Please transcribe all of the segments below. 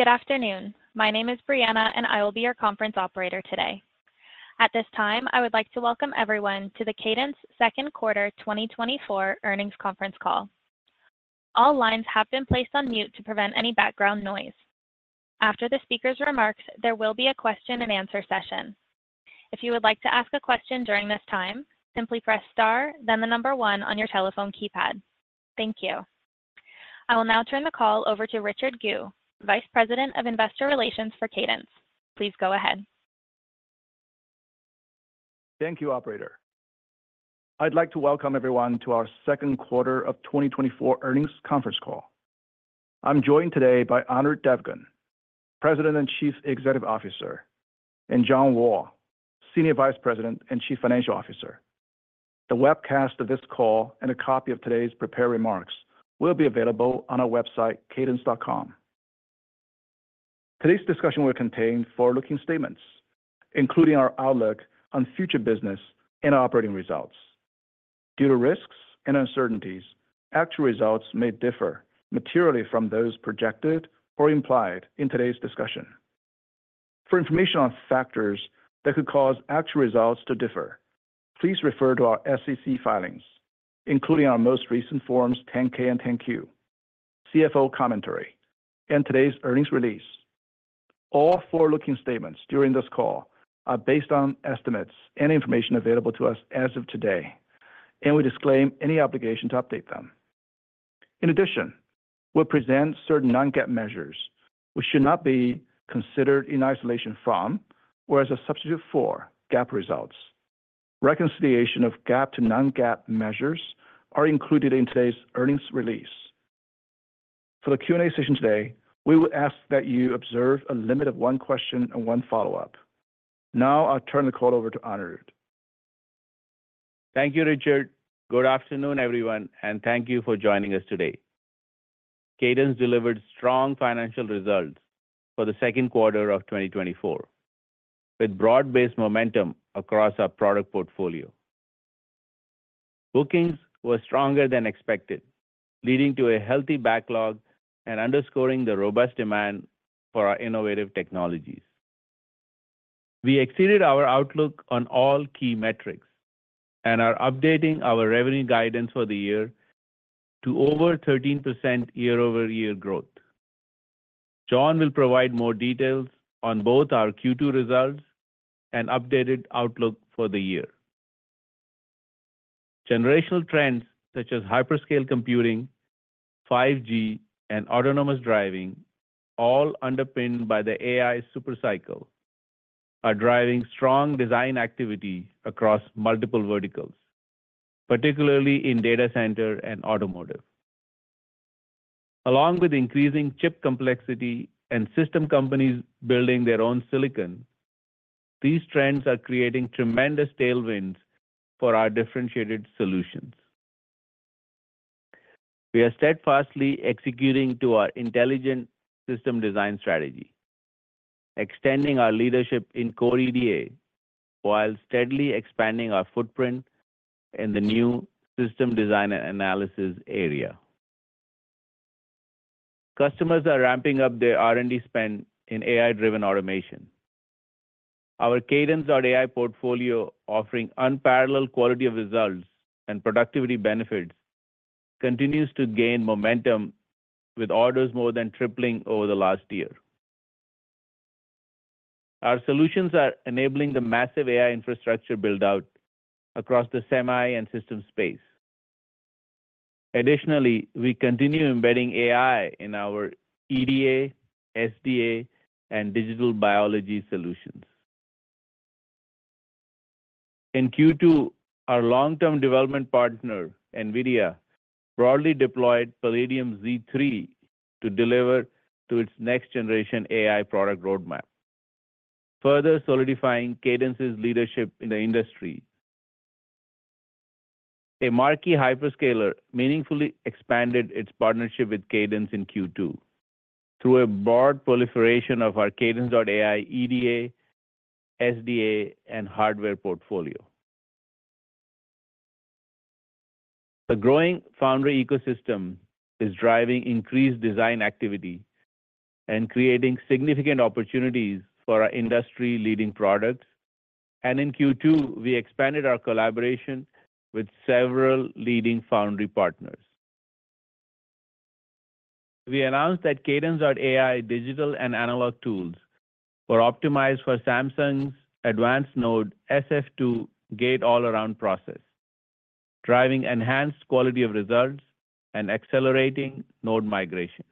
Good afternoon. My name is Brianna and I will be your conference operator today. At this time, I would like to welcome everyone to the Cadence Second Quarter 2024 Earnings Conference Call. All lines have been placed on mute to prevent any background noise. After the speaker's remarks, there will be a question-and-answer session. If you would like to ask a question during this time, simply press star, then 1 on your telephone keypad. Thank you. I will now turn the call over to Richard Gu, Vice President of Investor Relations for Cadence. Please go ahead. Thank you, Operator. I'd like to welcome everyone to our Second Quarter of 2024 Earnings Conference Call. I'm joined today by Anirudh Devgan, President and Chief Executive Officer, and John Wall, Senior Vice President and Chief Financial Officer. The webcast of this call and a copy of today's prepared remarks will be available on our website, cadence.com. Today's discussion will contain forward-looking statements, including our outlook on future business and operating results. Due to risks and uncertainties, actual results may differ materially from those projected or implied in today's discussion. For information on factors that could cause actual results to differ, please refer to our SEC filings, including our most recent Forms 10-K and 10-Q, CFO commentary, and today's earnings release. All forward-looking statements during this call are based on estimates and information available to us as of today, and we disclaim any obligation to update them. In addition, we'll present certain non-GAAP measures which should not be considered in isolation from or as a substitute for GAAP results. Reconciliation of GAAP to non-GAAP measures are included in today's earnings release. For the Q&A session today, we would ask that you observe a limit of one question and one follow-up. Now, I'll turn the call over to Anirudh. Thank you, Richard. Good afternoon, everyone, and thank you for joining us today. Cadence delivered strong financial results for the second quarter of 2024, with broad-based momentum across our product portfolio. Bookings were stronger than expected, leading to a healthy backlog and underscoring the robust demand for our innovative technologies. We exceeded our outlook on all key metrics and are updating our revenue guidance for the year to over 13% year-over-year growth. John will provide more details on both our Q2 results and updated outlook for the year. Generational trends such as hyperscale computing, 5G, and autonomous driving, all underpinned by the AI supercycle, are driving strong design activity across multiple verticals, particularly in data center and automotive. Along with increasing chip complexity and system companies building their own silicon, these trends are creating tremendous tailwinds for our differentiated solutions. We are steadfastly executing our intelligent system design strategy, extending our leadership in Core EDA while steadily expanding our footprint in the new system design and analysis area. Customers are ramping up their R&D spend in AI-driven automation. Our Cadence AI portfolio, offering unparalleled quality of results and productivity benefits, continues to gain momentum, with orders more than tripling over the last year. Our solutions are enabling the massive AI infrastructure build-out across the semi and system space. Additionally, we continue embedding AI in our EDA, SDA, and Digital Biology solutions. In Q2, our long-term development partner, NVIDIA, broadly deployed Palladium Z3 to deliver to its next-generation AI product roadmap, further solidifying Cadence's leadership in the industry. A marquee hyperscaler meaningfully expanded its partnership with Cadence in Q2 through a broad proliferation of our Cadence AI EDA, SDA, and hardware portfolio. The growing foundry ecosystem is driving increased design activity and creating significant opportunities for our industry-leading products, and in Q2, we expanded our collaboration with several leading foundry partners. We announced that Cadence AI digital and analog tools were optimized for Samsung's advanced node SF2 Gate-All-Around process, driving enhanced quality of results and accelerating node migration.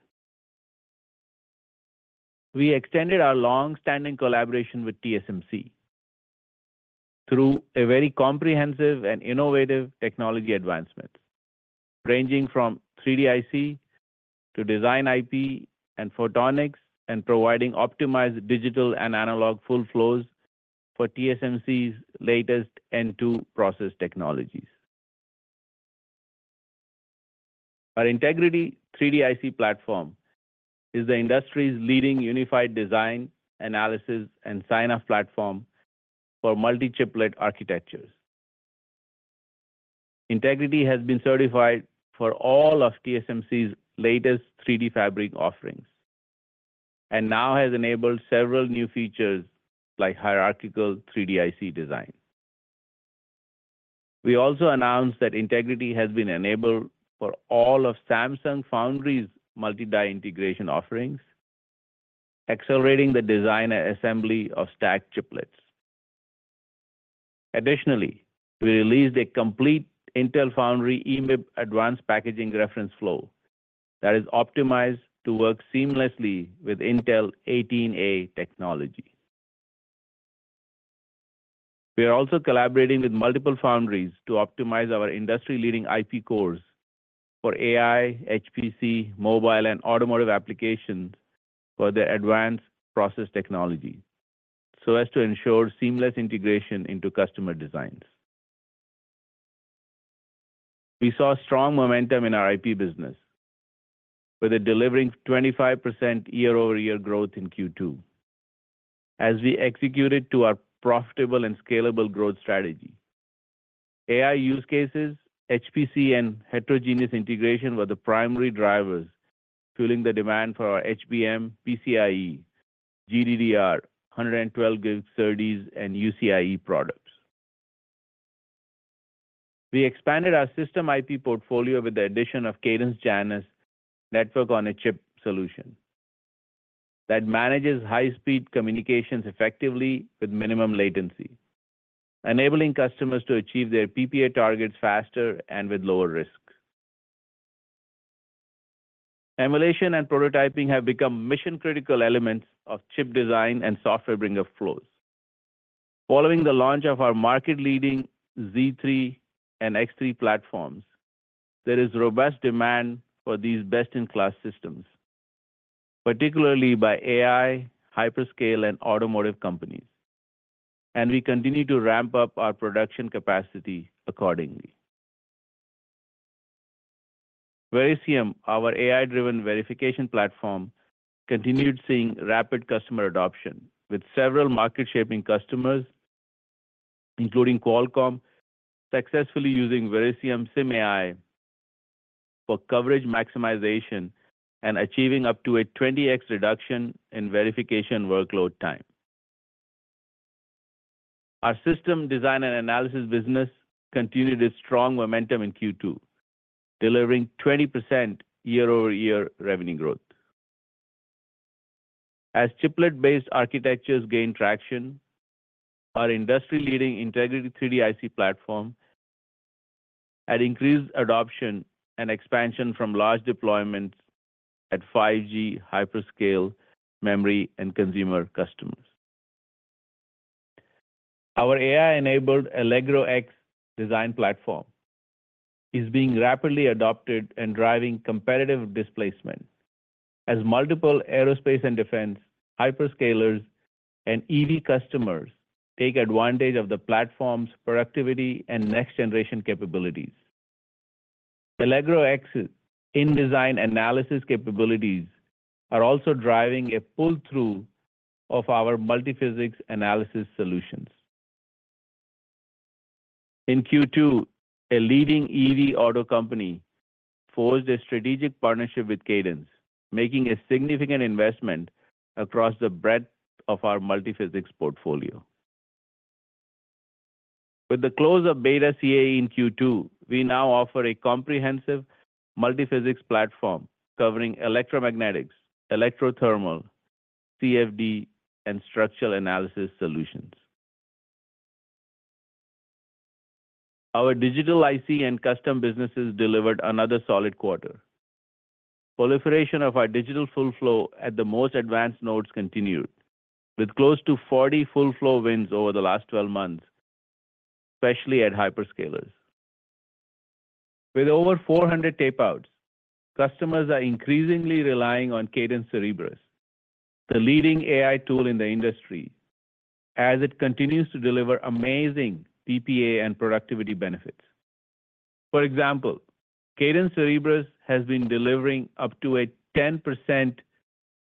We extended our long-standing collaboration with TSMC through very comprehensive and innovative technology advancements, ranging from 3D IC to design IP and photonics, and providing optimized digital and analog full flows for TSMC's latest N2 process technologies. Our Integrity 3D-IC platform is the industry's leading unified design, analysis, and signoff platform for multi-chiplet architectures. Integrity has been certified for all of TSMC's latest 3DFabric offerings and now has enabled several new features like hierarchical 3D IC design. We also announced that Integrity has been enabled for all of Samsung Foundry's multi-die integration offerings, accelerating the design and assembly of stacked chiplets. Additionally, we released a complete Intel Foundry EMIB advanced packaging reference flow that is optimized to work seamlessly with Intel 18A technology. We are also collaborating with multiple foundries to optimize our industry-leading IP cores for AI, HPC, mobile, and automotive applications for their advanced process technology, so as to ensure seamless integration into customer designs. We saw strong momentum in our IP business, with a delivering 25% year-over-year growth in Q2, as we executed our profitable and scalable growth strategy. AI use cases, HPC, and heterogeneous integration were the primary drivers fueling the demand for our HBM, PCIe, GDDR, 112G SerDes, and UCIe products. We expanded our system IP portfolio with the addition of Cadence Janus Network-on-Chip solution that manages high-speed communications effectively with minimum latency, enabling customers to achieve their PPA targets faster and with lower risk. Emulation and prototyping have become mission-critical elements of chip design and software bring-up flows. Following the launch of our market-leading Z3 and X3 platforms, there is robust demand for these best-in-class systems, particularly by AI, hyperscaler, and automotive companies, and we continue to ramp up our production capacity accordingly. Verisium, our AI-driven verification platform, continued seeing rapid customer adoption, with several market-shaping customers, including Qualcomm, successfully using Verisium SimAI for coverage maximization and achieving up to a 20x reduction in verification workload time. Our system design and analysis business continued its strong momentum in Q2, delivering 20% year-over-year revenue growth. As chiplet-based architectures gain traction, our industry-leading Integrity 3D-IC platform had increased adoption and expansion from large deployments at 5G hyperscale memory and consumer customers. Our AI-enabled Allegro X design platform is being rapidly adopted and driving competitive displacement, as multiple aerospace and defense hyperscalers and EV customers take advantage of the platform's productivity and next-generation capabilities. Allegro X's in-design analysis capabilities are also driving a pull-through of our multiphysics analysis solutions. In Q2, a leading EV auto company forged a strategic partnership with Cadence, making a significant investment across the breadth of our multiphysics portfolio. With the close of BETA CAE in Q2, we now offer a comprehensive multiphysics platform covering electromagnetics, electrothermal, CFD, and structural analysis solutions. Our digital IC and custom businesses delivered another solid quarter. Proliferation of our digital full flow at the most advanced nodes continued, with close to 40 full flow wins over the last 12 months, especially at hyperscalers. With over 400 tapeouts, customers are increasingly relying on Cadence Cerebrus, the leading AI tool in the industry, as it continues to deliver amazing PPA and productivity benefits. For example, Cadence Cerebrus has been delivering up to 10%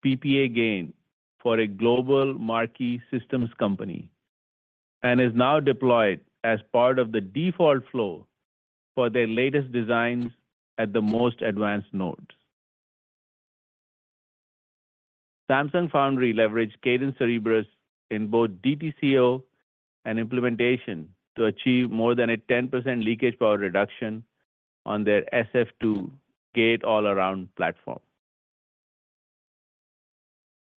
PPA gain for a global marquee systems company and is now deployed as part of the default flow for their latest designs at the most advanced nodes. Samsung Foundry leveraged Cadence Cerebrus in both DTCO and implementation to achieve more than 10% leakage power reduction on their SF2 gate-all-around platform.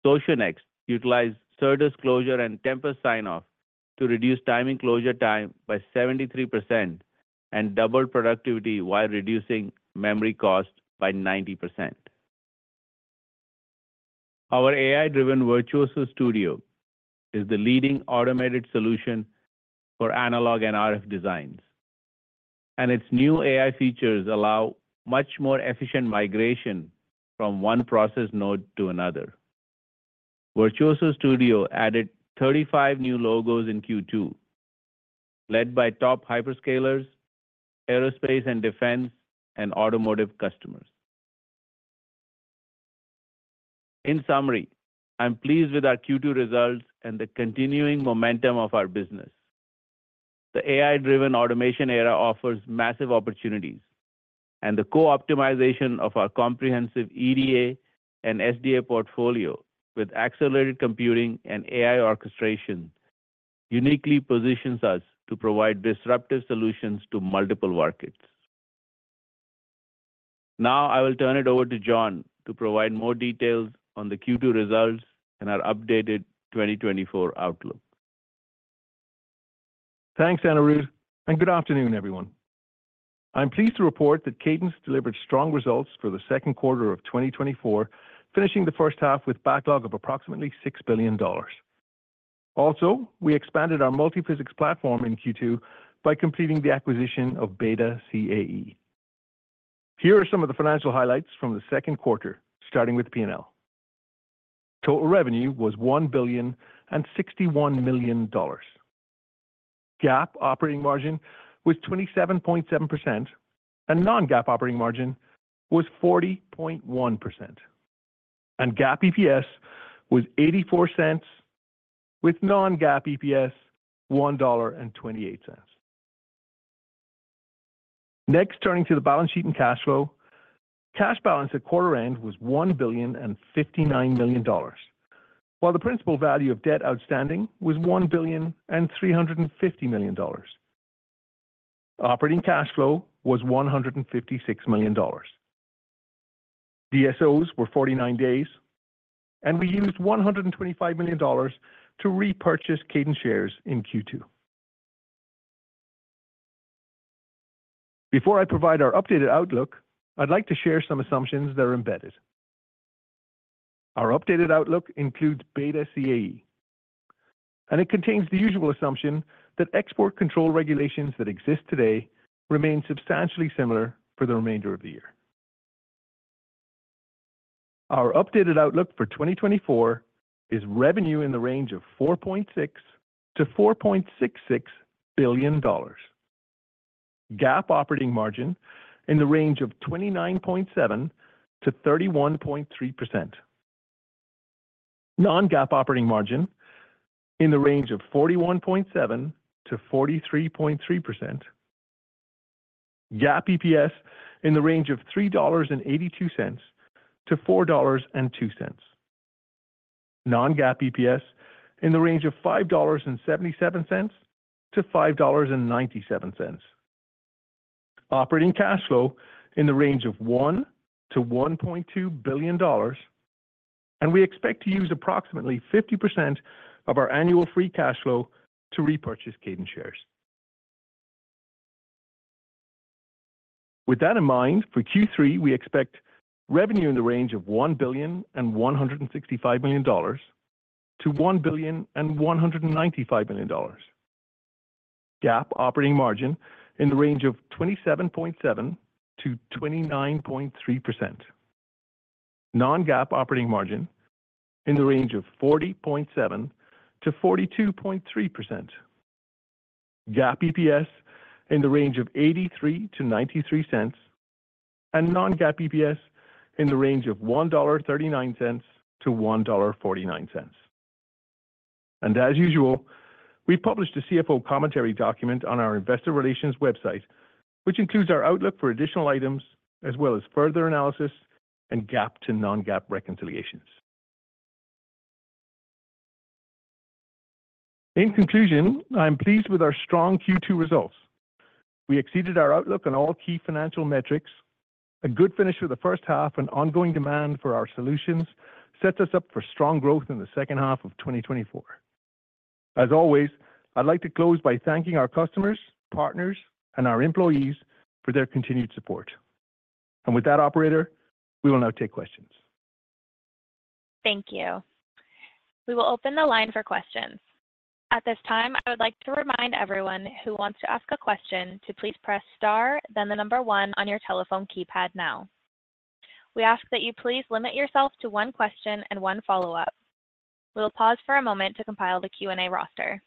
Socionext utilized Tempus sign-off to reduce timing closure time by 73% and doubled productivity while reducing memory cost by 90%. Our AI-driven Virtuoso Studio is the leading automated solution for analog and RF designs, and its new AI features allow much more efficient migration from one process node to another. Virtuoso Studio added 35 new logos in Q2, led by top hyperscalers, aerospace and defense, and automotive customers. In summary, I'm pleased with our Q2 results and the continuing momentum of our business. The AI-driven automation era offers massive opportunities, and the co-optimization of our comprehensive EDA and SDA portfolio with accelerated computing and AI orchestration uniquely positions us to provide disruptive solutions to multiple markets. Now, I will turn it over to John to provide more details on the Q2 results and our updated 2024 outlook. Thanks, Anirudh, and good afternoon, everyone. I'm pleased to report that Cadence delivered strong results for the second quarter of 2024, finishing the first half with a backlog of approximately $6 billion. Also, we expanded our multiphysics platform in Q2 by completing the acquisition of BETA CAE. Here are some of the financial highlights from the second quarter, starting with P&L. Total revenue was $1.061 billion. GAAP operating margin was 27.7%, and non-GAAP operating margin was 40.1%. GAAP EPS was $0.84, with non-GAAP EPS $1.28. Next, turning to the balance sheet and cash flow, cash balance at quarter end was $1.059 billion, while the principal value of debt outstanding was $1.350 billion. Operating cash flow was $156 million. DSOs were 49 days, and we used $125 million to repurchase Cadence shares in Q2. Before I provide our updated outlook, I'd like to share some assumptions that are embedded. Our updated outlook includes BETA CAE, and it contains the usual assumption that export control regulations that exist today remain substantially similar for the remainder of the year. Our updated outlook for 2024 is revenue in the range of $4.6 billion-$4.66 billion, GAAP operating margin in the range of 29.7%-31.3%, non-GAAP operating margin in the range of 41.7%-43.3%, GAAP EPS in the range of $3.82-$4.02, non-GAAP EPS in the range of $5.77-$5.97, operating cash flow in the range of $1 billion-$1.2 billion, and we expect to use approximately 50% of our annual free cash flow to repurchase Cadence shares. With that in mind, for Q3, we expect revenue in the range of $1.165 billion-$1.195 billion, GAAP operating margin in the range of 27.7%-29.3%, non-GAAP operating margin in the range of 40.7%-42.3%, GAAP EPS in the range of $0.83-$0.93, and non-GAAP EPS in the range of $1.39-$1.49. As usual, we published a CFO commentary document on our investor relations website, which includes our outlook for additional items, as well as further analysis and GAAP to non-GAAP reconciliations. In conclusion, I'm pleased with our strong Q2 results. We exceeded our outlook on all key financial metrics, a good finish for the first half, and ongoing demand for our solutions sets us up for strong growth in the second half of 2024. As always, I'd like to close by thanking our customers, partners, and our employees for their continued support. With that, operator, we will now take questions. Thank you. We will open the line for questions. At this time, I would like to remind everyone who wants to ask a question to please press star, then the number one on your telephone keypad now. We ask that you please limit yourself to one question and one follow-up. We'll pause for a moment to compile the Q&A roster.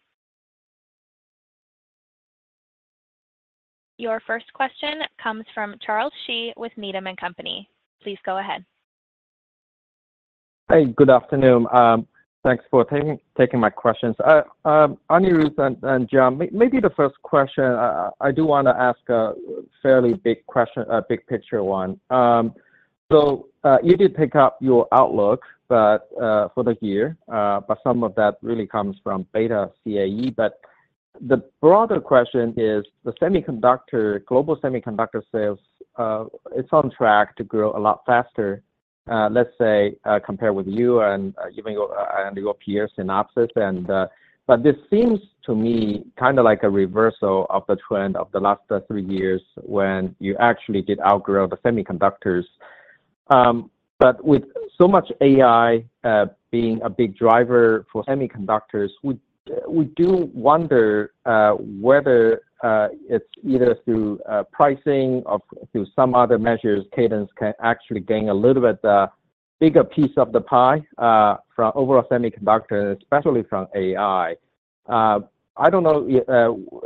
Your first question comes from Charles Shi with Needham & Company. Please go ahead. Hey, good afternoon. Thanks for taking my questions. Anirudh and John, maybe the first question, I do want to ask a fairly big question, a big picture one. So you did pick up your outlook for the year, but some of that really comes from BETA CAE. But the broader question is the semiconductor, global semiconductor sales, it's on track to grow a lot faster, let's say, compared with you and your peers, Synopsys. But this seems to me kind of like a reversal of the trend of the last three years when you actually did outgrow the semiconductors. But with so much AI being a big driver for semiconductors, we do wonder whether it's either through pricing or through some other measures Cadence can actually gain a little bit bigger piece of the pie from overall semiconductor, especially from AI. I don't know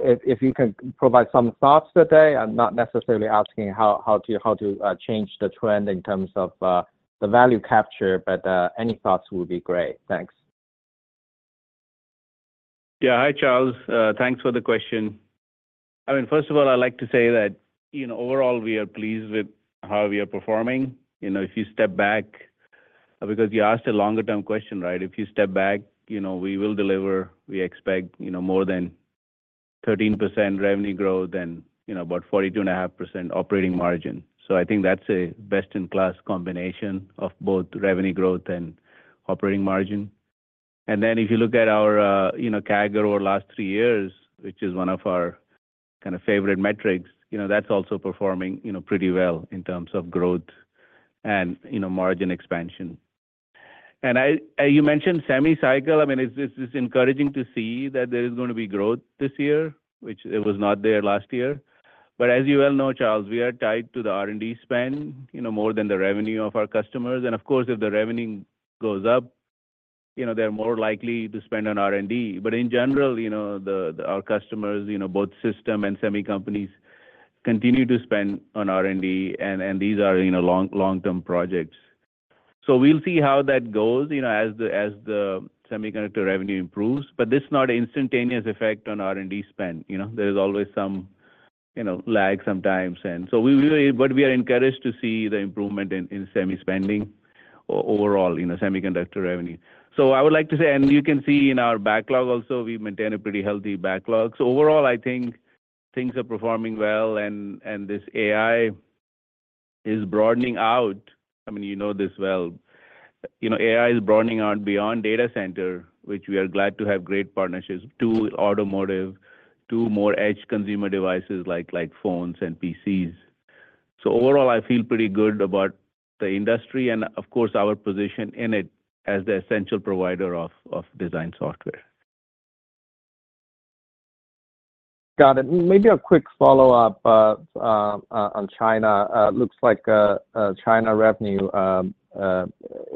if you can provide some thoughts today. I'm not necessarily asking how to change the trend in terms of the value capture, but any thoughts would be great. Thanks. Yeah, hi, Charles. Thanks for the question. I mean, first of all, I'd like to say that overall, we are pleased with how we are performing. If you step back, because you asked a longer-term question, right? If you step back, we will deliver, we expect more than 13% revenue growth and about 42.5% operating margin. So I think that's a best-in-class combination of both revenue growth and operating margin. And then if you look at our CAGR over the last three years, which is one of our kind of favorite metrics, that's also performing pretty well in terms of growth and margin expansion. And you mentioned semi-cycle. I mean, it's encouraging to see that there is going to be growth this year, which it was not there last year. But as you well know, Charles, we are tied to the R&D spend more than the revenue of our customers. Of course, if the revenue goes up, they're more likely to spend on R&D. In general, our customers, both system and semi companies, continue to spend on R&D, and these are long-term projects. We'll see how that goes as the semiconductor revenue improves. This is not an instantaneous effect on R&D spend. There is always some lag sometimes. We are encouraged to see the improvement in semi spending overall, semiconductor revenue. I would like to say, and you can see in our backlog also, we maintain a pretty healthy backlog. Overall, I think things are performing well, and this AI is broadening out. I mean, you know this well. AI is broadening out beyond data center, which we are glad to have great partnerships to automotive, to more edge consumer devices like phones and PCs. Overall, I feel pretty good about the industry and, of course, our position in it as the essential provider of design software. Got it. Maybe a quick follow-up on China. It looks like China revenue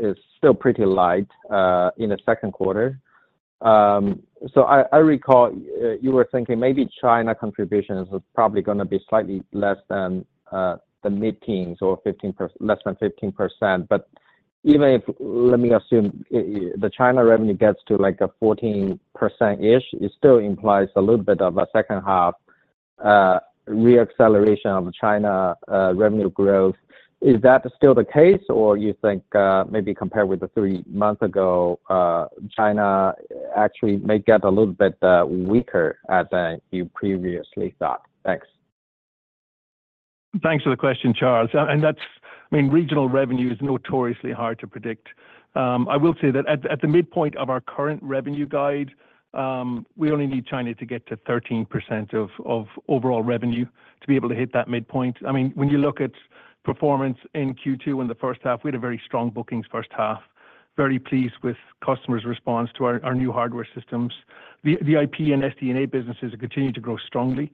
is still pretty light in the second quarter. So I recall you were thinking maybe China contribution is probably going to be slightly less than the mid-teens or less than 15%. But even if, let me assume the China revenue gets to like 14%-ish, it still implies a little bit of a second-half re-acceleration of China revenue growth. Is that still the case, or you think maybe compared with the three months ago, China actually may get a little bit weaker as you previously thought? Thanks. Thanks for the question, Charles. I mean, regional revenue is notoriously hard to predict. I will say that at the midpoint of our current revenue guide, we only need China to get to 13% of overall revenue to be able to hit that midpoint. I mean, when you look at performance in Q2 in the first half, we had a very strong bookings first half, very pleased with customers' response to our new hardware systems. The IP and SDA businesses continue to grow strongly.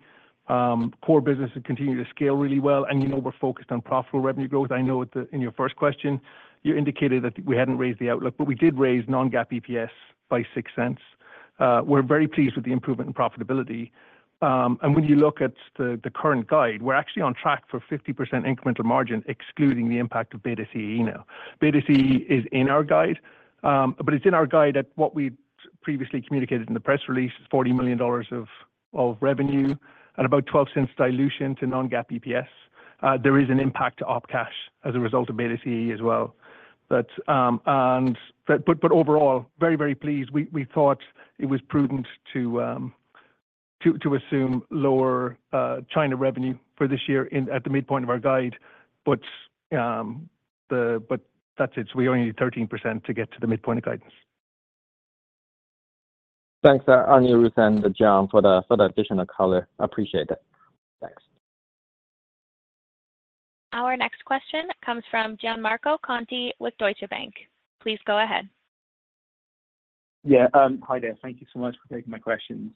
Core businesses continue to scale really well. And we're focused on profitable revenue growth. I know in your first question, you indicated that we hadn't raised the outlook, but we did raise Non-GAAP EPS by $0.06. We're very pleased with the improvement in profitability. When you look at the current guide, we're actually on track for 50% incremental margin, excluding the impact of BETA CAE now. BETA CAE is in our guide, but it's in our guide at what we previously communicated in the press release, $40 million of revenue and about $0.12 dilution to non-GAAP EPS. There is an impact to op cash as a result of BETA CAE as well. But overall, very, very pleased. We thought it was prudent to assume lower China revenue for this year at the midpoint of our guide, but that's it. We only need 13% to get to the midpoint of guidance. Thanks, Anirudh and John, for the additional color. I appreciate it. Thanks. Our next question comes from Gianmarco Conti with Deutsche Bank. Please go ahead. Yeah, hi there. Thank you so much for taking my questions.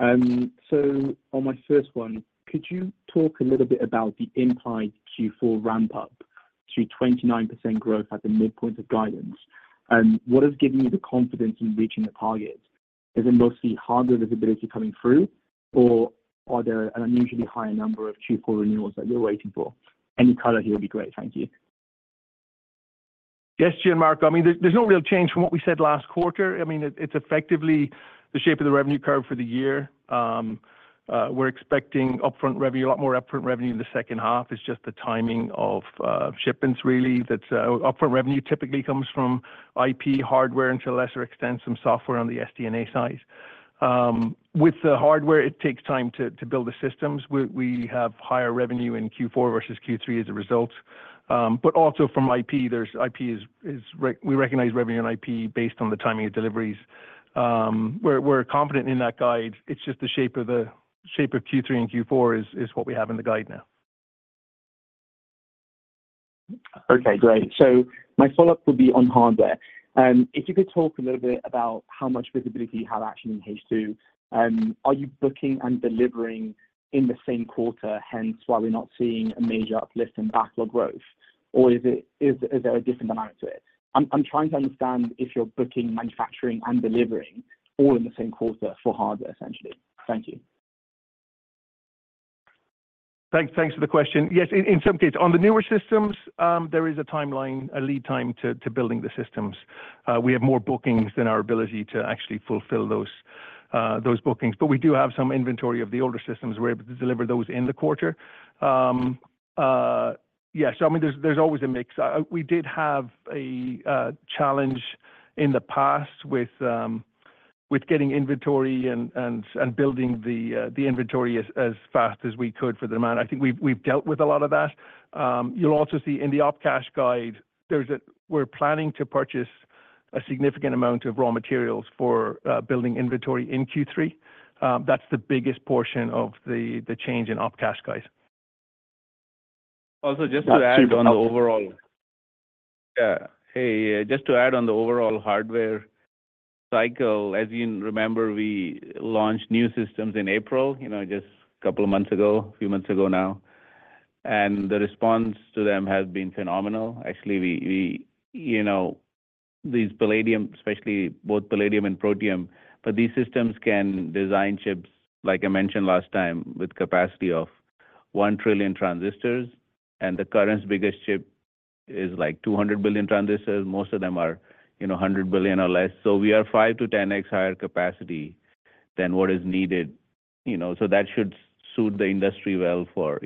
So on my first one, could you talk a little bit about the impact Q4 ramp-up to 29% growth at the midpoint of guidance? And what has given you the confidence in reaching the target? Is it mostly hardware visibility coming through, or are there an unusually higher number of Q4 renewals that you're waiting for? Any color here would be great. Thank you. Yes, Gianmarco. I mean, there's no real change from what we said last quarter. I mean, it's effectively the shape of the revenue curve for the year. We're expecting a lot more upfront revenue in the second half. It's just the timing of shipments, really. Upfront revenue typically comes from IP, hardware, and to a lesser extent, some software on the SD&A side. With the hardware, it takes time to build the systems. We have higher revenue in Q4 versus Q3 as a result. But also from IP, we recognize revenue in IP based on the timing of deliveries. We're confident in that guide. It's just the shape of Q3 and Q4 is what we have in the guide now. Okay, great. So my follow-up would be on hardware. If you could talk a little bit about how much visibility you have actually in H2, are you booking and delivering in the same quarter, hence why we're not seeing a major uplift in backlog growth, or is there a different amount to it? I'm trying to understand if you're booking manufacturing and delivering all in the same quarter for hardware, essentially. Thank you. Thanks for the question. Yes, in some cases, on the newer systems, there is a timeline, a lead time to building the systems. We have more bookings than our ability to actually fulfill those bookings. But we do have some inventory of the older systems. We're able to deliver those in the quarter. Yeah, so I mean, there's always a mix. We did have a challenge in the past with getting inventory and building the inventory as fast as we could for the demand. I think we've dealt with a lot of that. You'll also see in the op cash guide, we're planning to purchase a significant amount of raw materials for building inventory in Q3. That's the biggest portion of the change in op cash guides. Also, just to add on the overall. Absolutely. Yeah. Hey, just to add on the overall hardware cycle, as you remember, we launched new systems in April, just a couple of months ago, a few months ago now. The response to them has been phenomenal. Actually, these Palladium, especially both Palladium and Protium, but these systems can design chips, like I mentioned last time, with capacity of 1 trillion transistors. The current's biggest chip is like 200 billion transistors. Most of them are 100 billion or less. So we are 5-10x higher capacity than what is needed. So that should suit the industry well for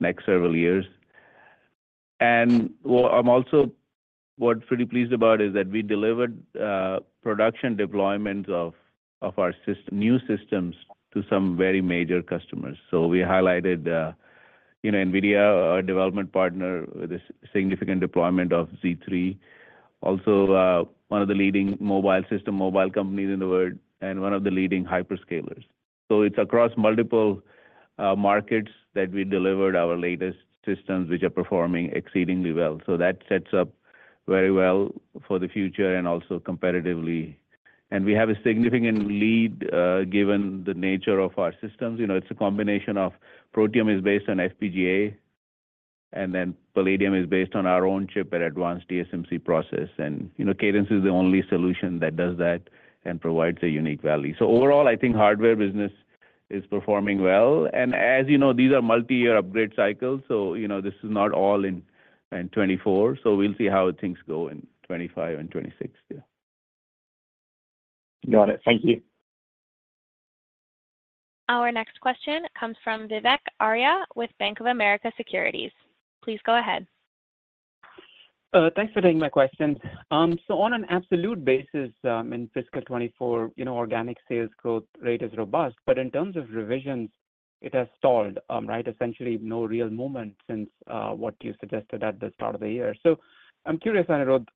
next several years. I'm also pretty pleased about is that we delivered production deployments of our new systems to some very major customers. So we highlighted NVIDIA, our development partner, with a significant deployment of Z3, also one of the leading mobile system mobile companies in the world, and one of the leading hyperscalers. So it's across multiple markets that we delivered our latest systems, which are performing exceedingly well. So that sets up very well for the future and also competitively. And we have a significant lead given the nature of our systems. It's a combination of Protium is based on FPGA, and then Palladium is based on our own chip at advanced TSMC process. And Cadence is the only solution that does that and provides a unique value. So overall, I think hardware business is performing well. And as you know, these are multi-year upgrade cycles. So this is not all in 2024. So we'll see how things go in 2025 and 2026. Yeah. Got it. Thank you. Our next question comes from Vivek Arya with Bank of America Securities. Please go ahead. Thanks for taking my question. So on an absolute basis, in fiscal 2024, organic sales growth rate is robust. But in terms of revisions, it has stalled, right? Essentially, no real movement since what you suggested at the start of the year. So I'm curious, Anirudh,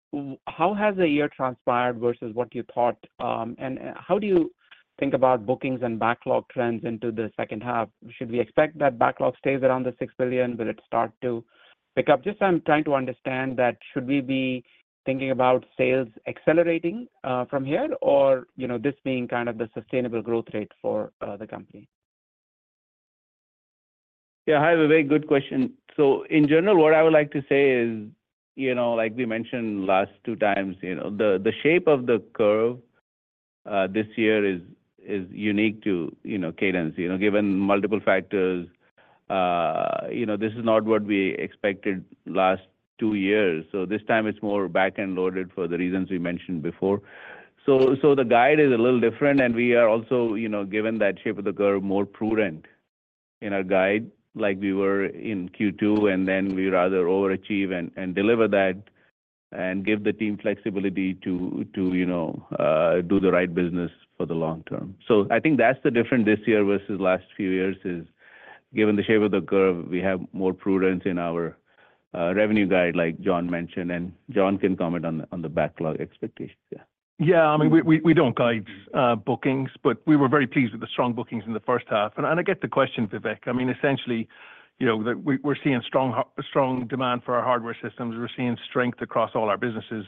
how has the year transpired versus what you thought? And how do you think about bookings and backlog trends into the second half? Should we expect that backlog stays around the $6 billion? Will it start to pick up? Just I'm trying to understand that should we be thinking about sales accelerating from here or this being kind of the sustainable growth rate for the company? Yeah, I have a very good question. So in general, what I would like to say is, like we mentioned last two times, the shape of the curve this year is unique to Cadence. Given multiple factors, this is not what we expected last two years. So this time, it's more back-end loaded for the reasons we mentioned before. So the guide is a little different. And we are also, given that shape of the curve, more prudent in our guide like we were in Q2. And then we rather overachieve and deliver that and give the team flexibility to do the right business for the long term. So I think that's the difference this year versus last few years is, given the shape of the curve, we have more prudence in our revenue guide, like John mentioned. And John can comment on the backlog expectations. Yeah. Yeah. I mean, we don't guide bookings, but we were very pleased with the strong bookings in the first half. And I get the question, Vivek. I mean, essentially, we're seeing strong demand for our hardware systems. We're seeing strength across all our businesses.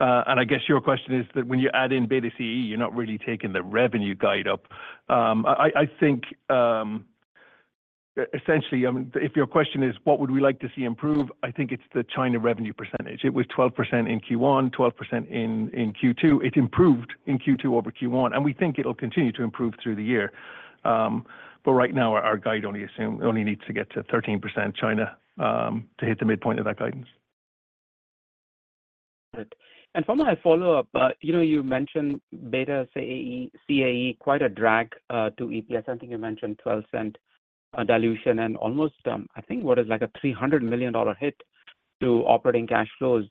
And I guess your question is that when you add in BETA CAE, you're not really taking the revenue guide up. I think essentially, if your question is, what would we like to see improve, I think it's the China revenue percentage. It was 12% in Q1, 12% in Q2. It improved in Q2 over Q1. And we think it'll continue to improve through the year. But right now, our guide only needs to get to 13% China to hit the midpoint of that guidance. From my follow-up, you mentioned BETA CAE, quite a drag to EPS. I think you mentioned $0.12 dilution and almost, I think, what is like a $300 million hit to operating cash flows.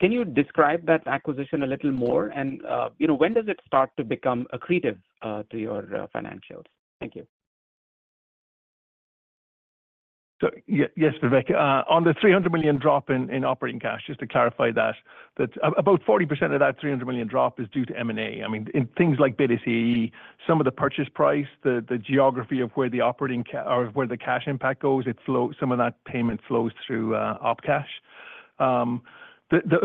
Can you describe that acquisition a little more? And when does it start to become accretive to your financials? Thank you. So yes, Vivek, on the $300 million drop in operating cash, just to clarify that, about 40% of that $300 million drop is due to M&A. I mean, in things like BETA CAE, some of the purchase price, the geography of where the operating or where the cash impact goes, some of that payment flows through op cash. The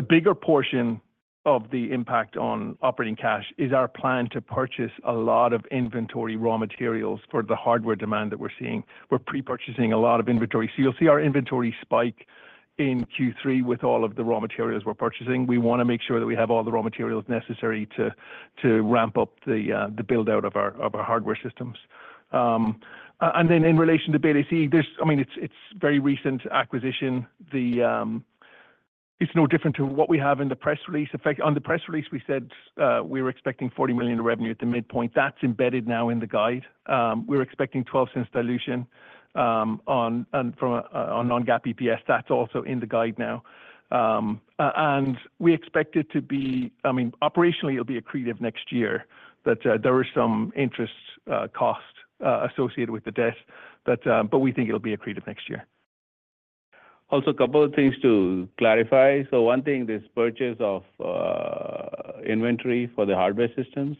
bigger portion of the impact on operating cash is our plan to purchase a lot of inventory raw materials for the hardware demand that we're seeing. We're pre-purchasing a lot of inventory. So you'll see our inventory spike in Q3 with all of the raw materials we're purchasing. We want to make sure that we have all the raw materials necessary to ramp up the build-out of our hardware systems. And then in relation to BETA CAE, I mean, it's very recent acquisition. It's no different to what we have in the press release. On the press release, we said we were expecting $40 million revenue at the midpoint. That's embedded now in the guide. We're expecting $0.12 dilution from non-GAAP EPS. That's also in the guide now. And we expect it to be, I mean, operationally, it'll be accretive next year, that there is some interest cost associated with the debt. But we think it'll be accretive next year. Also, a couple of things to clarify. So one thing is purchase of inventory for the hardware systems.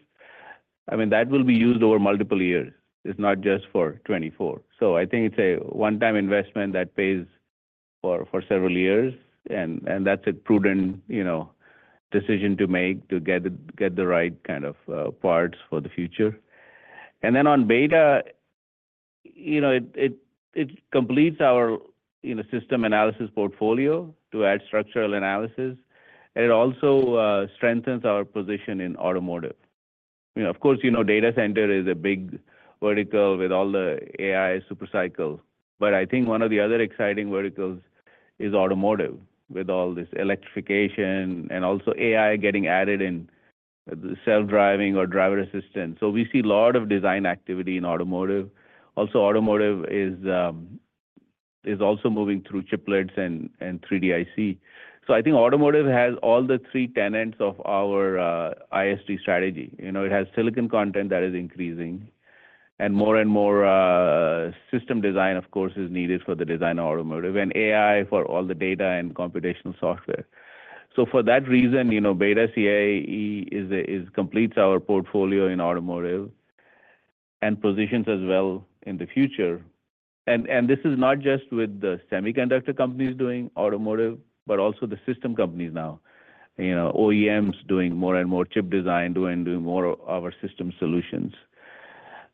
I mean, that will be used over multiple years. It's not just for 2024. So I think it's a one-time investment that pays for several years. And that's a prudent decision to make to get the right kind of parts for the future. And then on BETA, it completes our system analysis portfolio to add structural analysis. And it also strengthens our position in automotive. Of course, data center is a big vertical with all the AI supercycle. But I think one of the other exciting verticals is automotive with all this electrification and also AI getting added in self-driving or driver assistance. So we see a lot of design activity in automotive. Also, automotive is also moving through chiplets and 3D IC. So I think automotive has all the three tenets of our ISD strategy. It has silicon content that is increasing. And more and more system design, of course, is needed for the design of automotive and AI for all the data and computational software. So for that reason, BETA CAE completes our portfolio in automotive and positions as well in the future. And this is not just with the semiconductor companies doing automotive, but also the system companies now, OEMs doing more and more chip design, doing more of our system solutions.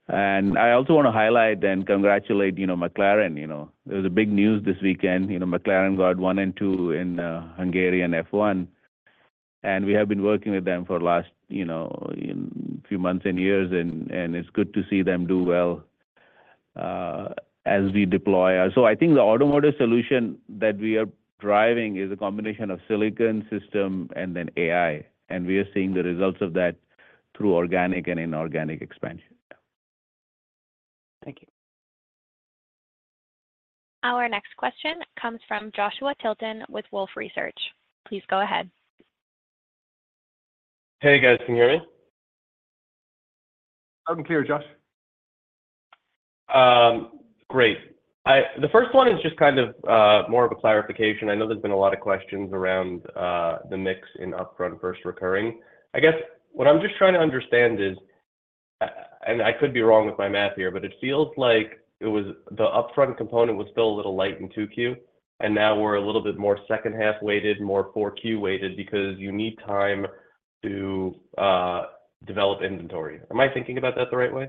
And I also want to highlight and congratulate McLaren. It was a big news this weekend. McLaren got 1 and 2 in Hungarian F1. And we have been working with them for the last few months and years. And it's good to see them do well as we deploy. I think the automotive solution that we are driving is a combination of silicon system and then AI. We are seeing the results of that through organic and inorganic expansion. Thank you. Our next question comes from Joshua Tilton with Wolfe Research. Please go ahead. Hey, guys. Can you hear me? I'm clear, Josh. Great. The first one is just kind of more of a clarification. I know there's been a lot of questions around the mix in upfront versus recurring. I guess what I'm just trying to understand is, and I could be wrong with my math here, but it feels like the upfront component was still a little light in 2Q. And now we're a little bit more second-half weighted, more 4Q weighted because you need time to develop inventory. Am I thinking about that the right way?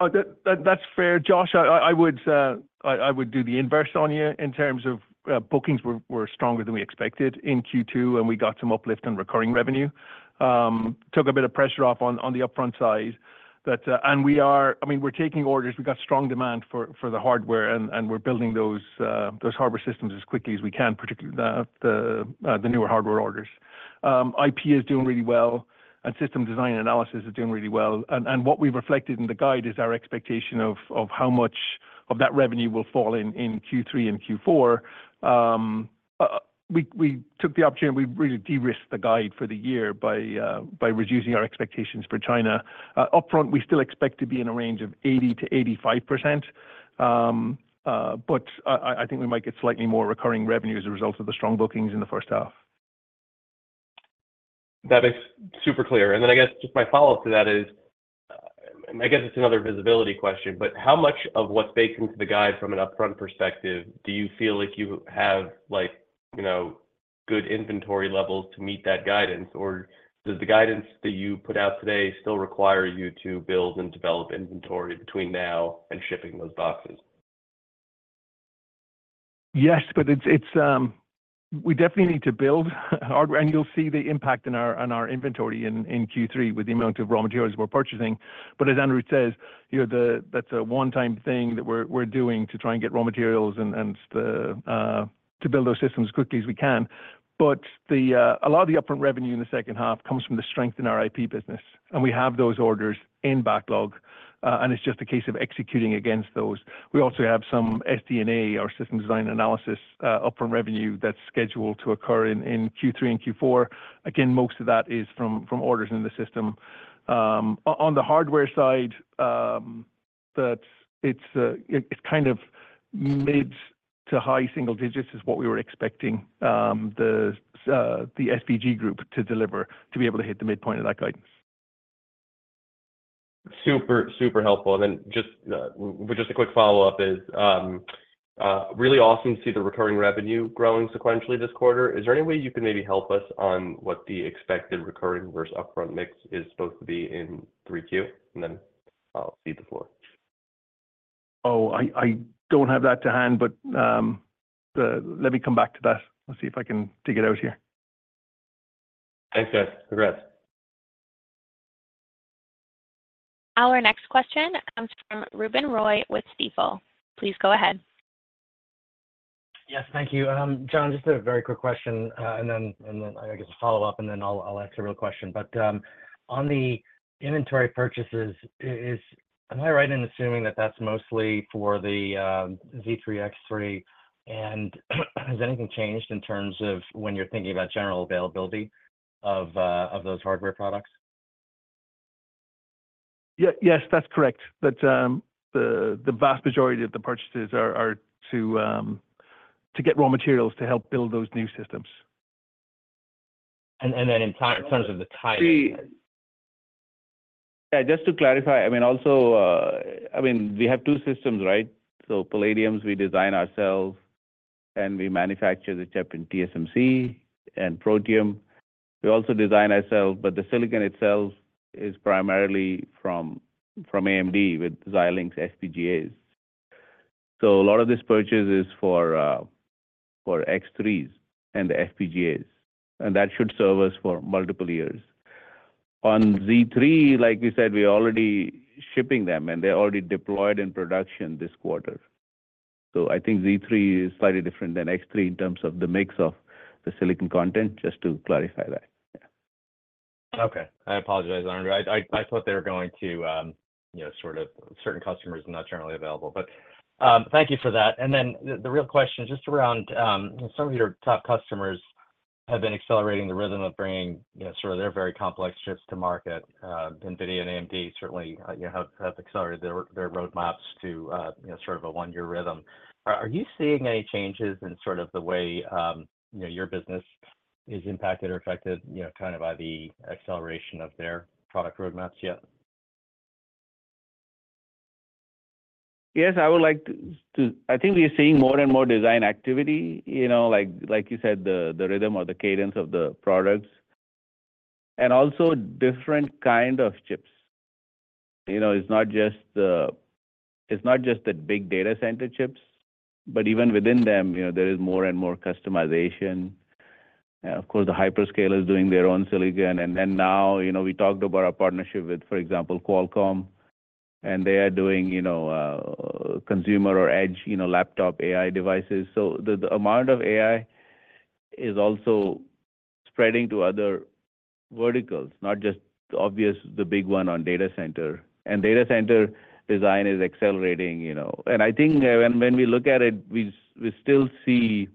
That's fair. Josh, I would do the inverse on you in terms of bookings were stronger than we expected in Q2, and we got some uplift in recurring revenue. Took a bit of pressure off on the upfront side. And I mean, we're taking orders. We got strong demand for the hardware, and we're building those hardware systems as quickly as we can, particularly the newer hardware orders. IP is doing really well, and system design analysis is doing really well. And what we've reflected in the guide is our expectation of how much of that revenue will fall in Q3 and Q4. We took the opportunity. We really de-risked the guide for the year by reducing our expectations for China. Upfront, we still expect to be in a range of 80%-85%. But I think we might get slightly more recurring revenue as a result of the strong bookings in the first half. That is super clear. And then I guess just my follow-up to that is, I guess it's another visibility question, but how much of what's baked into the guide from an upfront perspective do you feel like you have good inventory levels to meet that guidance? Or does the guidance that you put out today still require you to build and develop inventory between now and shipping those boxes? Yes, but we definitely need to build. And you'll see the impact on our inventory in Q3 with the amount of raw materials we're purchasing. But as Anirudh says, that's a one-time thing that we're doing to try and get raw materials and to build those systems as quickly as we can. But a lot of the upfront revenue in the second half comes from the strength in our IP business. And we have those orders in backlog. And it's just a case of executing against those. We also have some SD&A, our system design analysis upfront revenue that's scheduled to occur in Q3 and Q4. Again, most of that is from orders in the system. On the hardware side, it's kind of mid to high single digits is what we were expecting the SVG group to deliver to be able to hit the midpoint of that guidance. Super, super helpful. And then just a quick follow-up is really awesome to see the recurring revenue growing sequentially this quarter. Is there any way you can maybe help us on what the expected recurring versus upfront mix is supposed to be in 3Q? And then I'll cede the floor. Oh, I don't have that to hand, but let me come back to that. I'll see if I can dig it out here. Thanks, guys. Congrats. Our next question comes from Ruben Roy with Stifel. Please go ahead. Yes, thank you. John, just a very quick question. And then I guess a follow-up, and then I'll ask a real question. But on the inventory purchases, am I right in assuming that that's mostly for the Z3/X3? And has anything changed in terms of when you're thinking about general availability of those hardware products? Yes, that's correct. But the vast majority of the purchases are to get raw materials to help build those new systems. In terms of the tie. See, just to clarify, I mean, also, I mean, we have two systems, right? So Palladiums, we design ourselves. And we manufacture the chip in TSMC and Protium. We also design ourselves, but the silicon itself is primarily from AMD with Xilinx FPGAs. So a lot of this purchase is for X3s and the FPGAs. And that should serve us for multiple years. On Z3, like we said, we're already shipping them, and they're already deployed in production this quarter. So I think Z3 is slightly different than X3 in terms of the mix of the silicon content, just to clarify that. Okay. I apologize, Anirudh. I thought they were going to sort of certain customers not generally available. But thank you for that. And then the real question just around some of your top customers have been accelerating the rhythm of bringing sort of their very complex chips to market. NVIDIA and AMD certainly have accelerated their roadmaps to sort of a one-year rhythm. Are you seeing any changes in sort of the way your business is impacted or affected kind of by the acceleration of their product roadmaps yet? Yes, I would like to. I think we're seeing more and more design activity, like you said, the rhythm or the cadence of the products. And also different kind of chips. It's not just the big data center chips, but even within them, there is more and more customization. Of course, the hyperscale is doing their own silicon. And then now we talked about our partnership with, for example, Qualcomm. And they are doing consumer or edge laptop AI devices. So the amount of AI is also spreading to other verticals, not just obvious the big one on data center. And data center design is accelerating. And I think when we look at it, we still see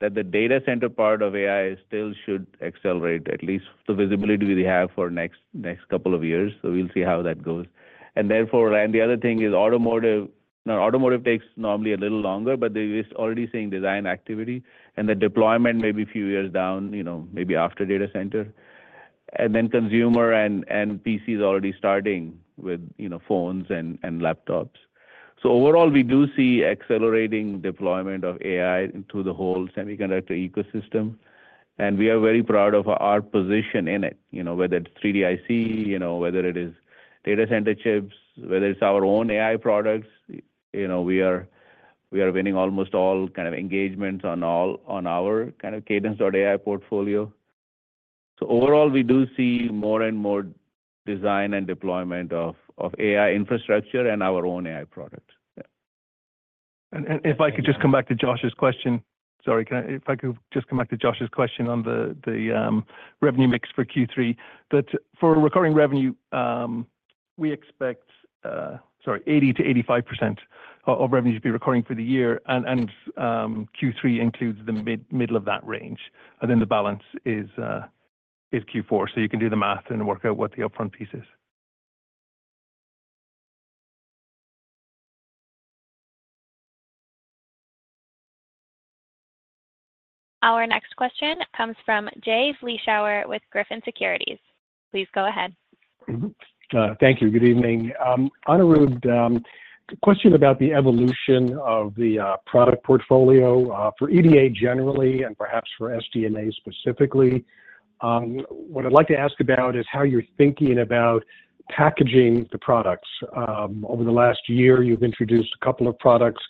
that the data center part of AI still should accelerate, at least the visibility we have for the next couple of years. So we'll see how that goes. And therefore, and the other thing is automotive. Now, automotive takes normally a little longer, but they're already seeing design activity. And the deployment may be a few years down, maybe after data center. And then consumer and PCs are already starting with phones and laptops. So overall, we do see accelerating deployment of AI through the whole semiconductor ecosystem. And we are very proud of our position in it, whether it's 3D IC, whether it is data center chips, whether it's our own AI products. We are winning almost all kind of engagements on our kind of Cadence AI portfolio. So overall, we do see more and more design and deployment of AI infrastructure and our own AI products. If I could just come back to Josh's question. Sorry, if I could just come back to Josh's question on the revenue mix for Q3. But for recurring revenue, we expect, sorry, 80%-85% of revenue to be recurring for the year. And Q3 includes the middle of that range. And then the balance is Q4. So you can do the math and work out what the upfront piece is. Our next question comes from Jay Vleeschhouwer with Griffin Securities. Please go ahead. Thank you. Good evening. Anirudh, question about the evolution of the product portfolio for EDA generally and perhaps for SD&A specifically. What I'd like to ask about is how you're thinking about packaging the products. Over the last year, you've introduced a couple of products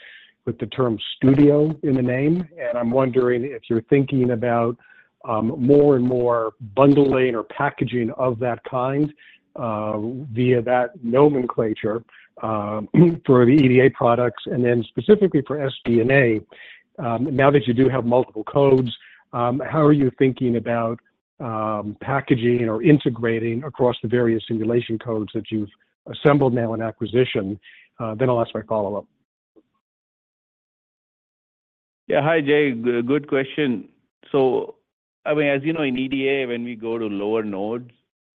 with the term studio in the name. And I'm wondering if you're thinking about more and more bundling or packaging of that kind via that nomenclature for the EDA products. And then specifically for SD&A, now that you do have multiple codes, how are you thinking about packaging or integrating across the various simulation codes that you've assembled now in acquisition? Then I'll ask my follow-up. Yeah, hi, Jay. Good question. So I mean, as you know, in EDA, when we go to lower nodes,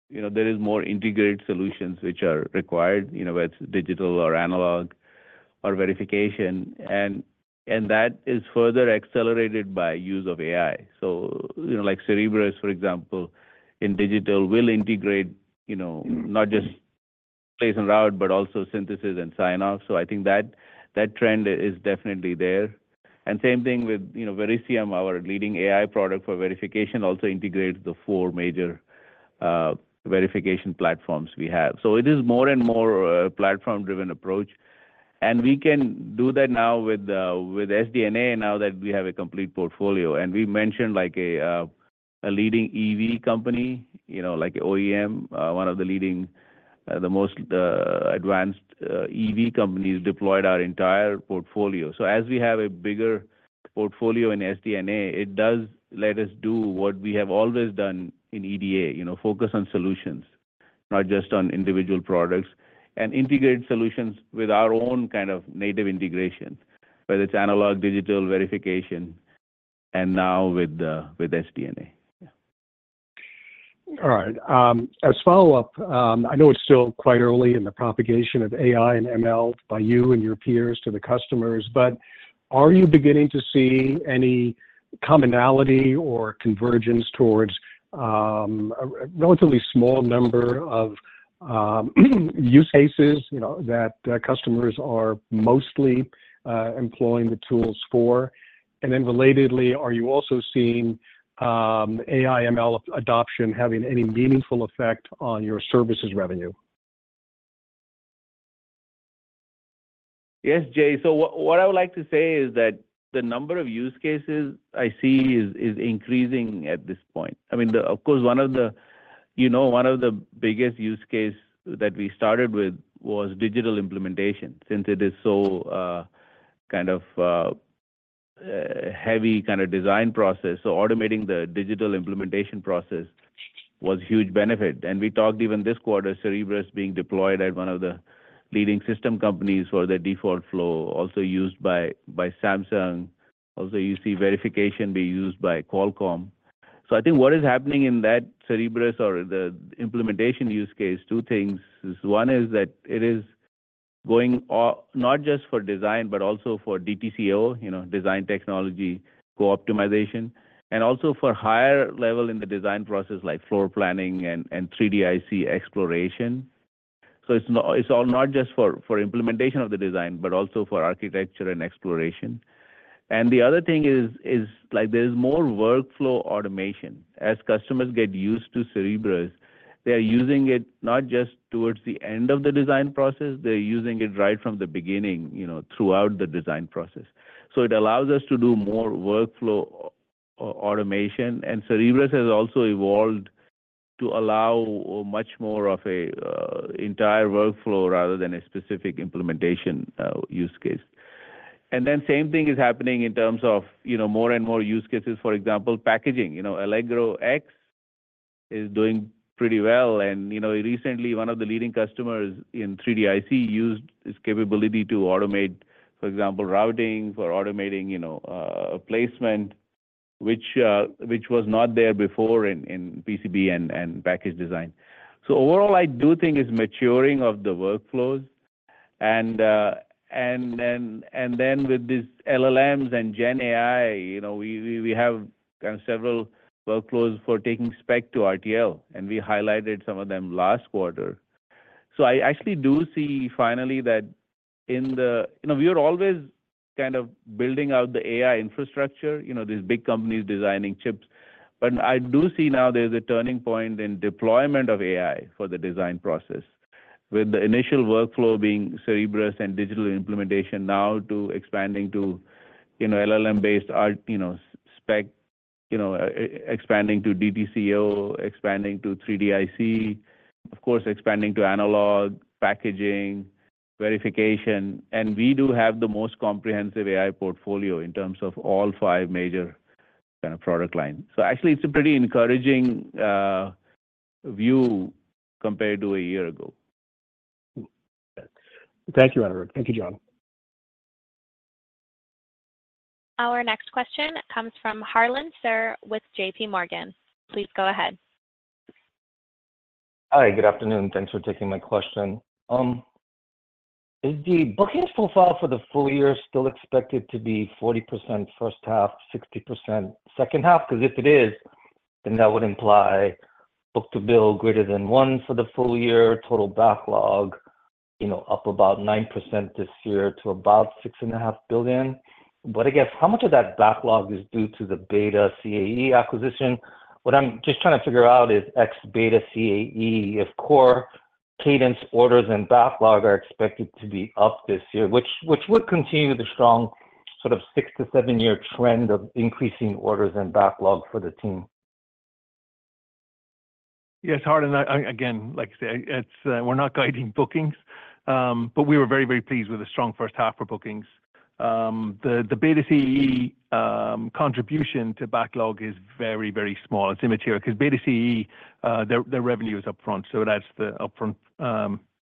there are more integrated solutions which are required, whether it's digital or analog or verification. And that is further accelerated by use of AI. So like Cerebrus, for example, in digital will integrate not just place and route, but also synthesis and sign-off. So I think that trend is definitely there. And same thing with Verisium, our leading AI product for verification also integrates the four major verification platforms we have. So it is more and more a platform-driven approach. And we can do that now with SD&A now that we have a complete portfolio. And we mentioned a leading EV company, like OEM, one of the leading, the most advanced EV companies deployed our entire portfolio. So as we have a bigger portfolio in SD&A, it does let us do what we have always done in EDA, focus on solutions, not just on individual products, and integrate solutions with our own kind of native integration, whether it's analog, digital, verification, and now with SD&A. All right. As follow-up, I know it's still quite early in the propagation of AI and ML by you and your peers to the customers, but are you beginning to see any commonality or convergence towards a relatively small number of use cases that customers are mostly employing the tools for? And then relatedly, are you also seeing AI/ML adoption having any meaningful effect on your services revenue? Yes, Jay. So what I would like to say is that the number of use cases I see is increasing at this point. I mean, of course, one of the biggest use cases that we started with was digital implementation since it is so kind of heavy kind of design process. So automating the digital implementation process was a huge benefit. And we talked even this quarter, Cerebrus being deployed at one of the leading system companies for the default flow also used by Samsung. Also, you see verification being used by Qualcomm. So I think what is happening in that Cerebrus or the implementation use case, two things. One is that it is going not just for design, but also for DTCO, design technology co-optimization, and also for higher level in the design process like floor planning and 3D-IC exploration. It's not just for implementation of the design, but also for architecture and exploration. The other thing is there is more workflow automation. As customers get used to Cerebrus, they are using it not just towards the end of the design process. They're using it right from the beginning throughout the design process. It allows us to do more workflow automation. Cerebrus has also evolved to allow much more of an entire workflow rather than a specific implementation use case. Then same thing is happening in terms of more and more use cases. For example, packaging. Allegro X is doing pretty well. Recently, one of the leading customers in 3D IC used its capability to automate, for example, routing for automating placement, which was not there before in PCB and package design. Overall, I do think it's maturing of the workflows. And then with these LLMs and GenAI, we have kind of several workflows for taking spec to RTL. We highlighted some of them last quarter. So I actually do see finally that we are always kind of building out the AI infrastructure, these big companies designing chips. But I do see now there's a turning point in deployment of AI for the design process, with the initial workflow being Cerebrus and digital implementation now to expanding to LLM-based spec, expanding to DTCO, expanding to 3D IC, of course, expanding to analog, packaging, verification. We do have the most comprehensive AI portfolio in terms of all five major kind of product lines. So actually, it's a pretty encouraging view compared to a year ago. Thank you, Anirudh. Thank you, John. Our next question comes from Harlan Sur with JPMorgan. Please go ahead. Hi, good afternoon. Thanks for taking my question. Is the booking profile for the full year still expected to be 40% first half, 60% second half? Because if it is, then that would imply book-to-bill greater than 1 for the full year, total backlog up about 9% this year to about $6.5 billion. But I guess how much of that backlog is due to the BETA CAE acquisition? What I'm just trying to figure out is ex BETA CAE of core Cadence orders and backlog are expected to be up this year, which would continue the strong sort of 6-7-year trend of increasing orders and backlog for the team. Yes, Harlan, again, like I say, we're not guiding bookings. But we were very, very pleased with the strong first half for bookings. The BETA CAE contribution to backlog is very, very small. It's immaterial because BETA CAE, their revenue is upfront. So that's the upfront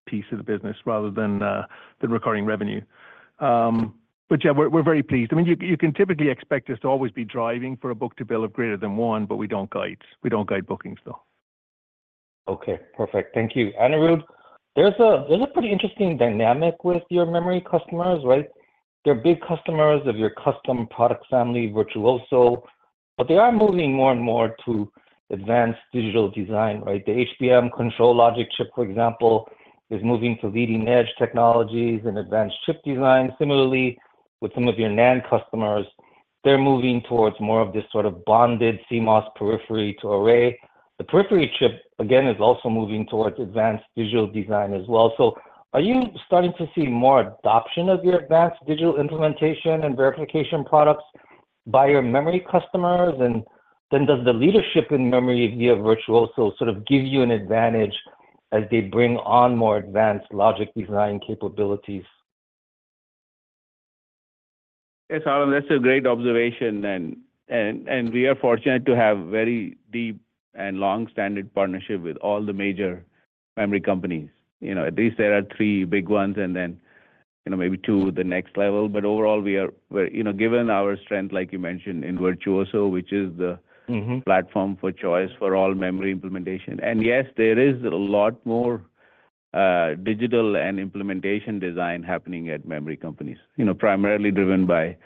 piece of the business rather than the recurring revenue. But yeah, we're very pleased. I mean, you can typically expect us to always be driving for a book-to-bill of greater than one, but we don't guide. We don't guide bookings, though. Okay. Perfect. Thank you, Anirudh. There's a pretty interesting dynamic with your memory customers, right? They're big customers of your custom product family, Virtuoso. But they are moving more and more to advanced digital design, right? The HBM control logic chip, for example, is moving to leading-edge technologies and advanced chip design. Similarly, with some of your NAND customers, they're moving towards more of this sort of bonded CMOS periphery to array. The periphery chip, again, is also moving towards advanced digital design as well. So are you starting to see more adoption of your advanced digital implementation and verification products by your memory customers? And then does the leadership in memory via Virtuoso sort of give you an advantage as they bring on more advanced logic design capabilities? Yes, Harlan, that's a great observation. And we are fortunate to have very deep and long-standing partnership with all the major memory companies. At least there are three big ones and then maybe two at the next level. But overall, we are, given our strength, like you mentioned, in Virtuoso, which is the platform for choice for all memory implementation. And yes, there is a lot more digital and implementation design happening at memory companies, primarily driven by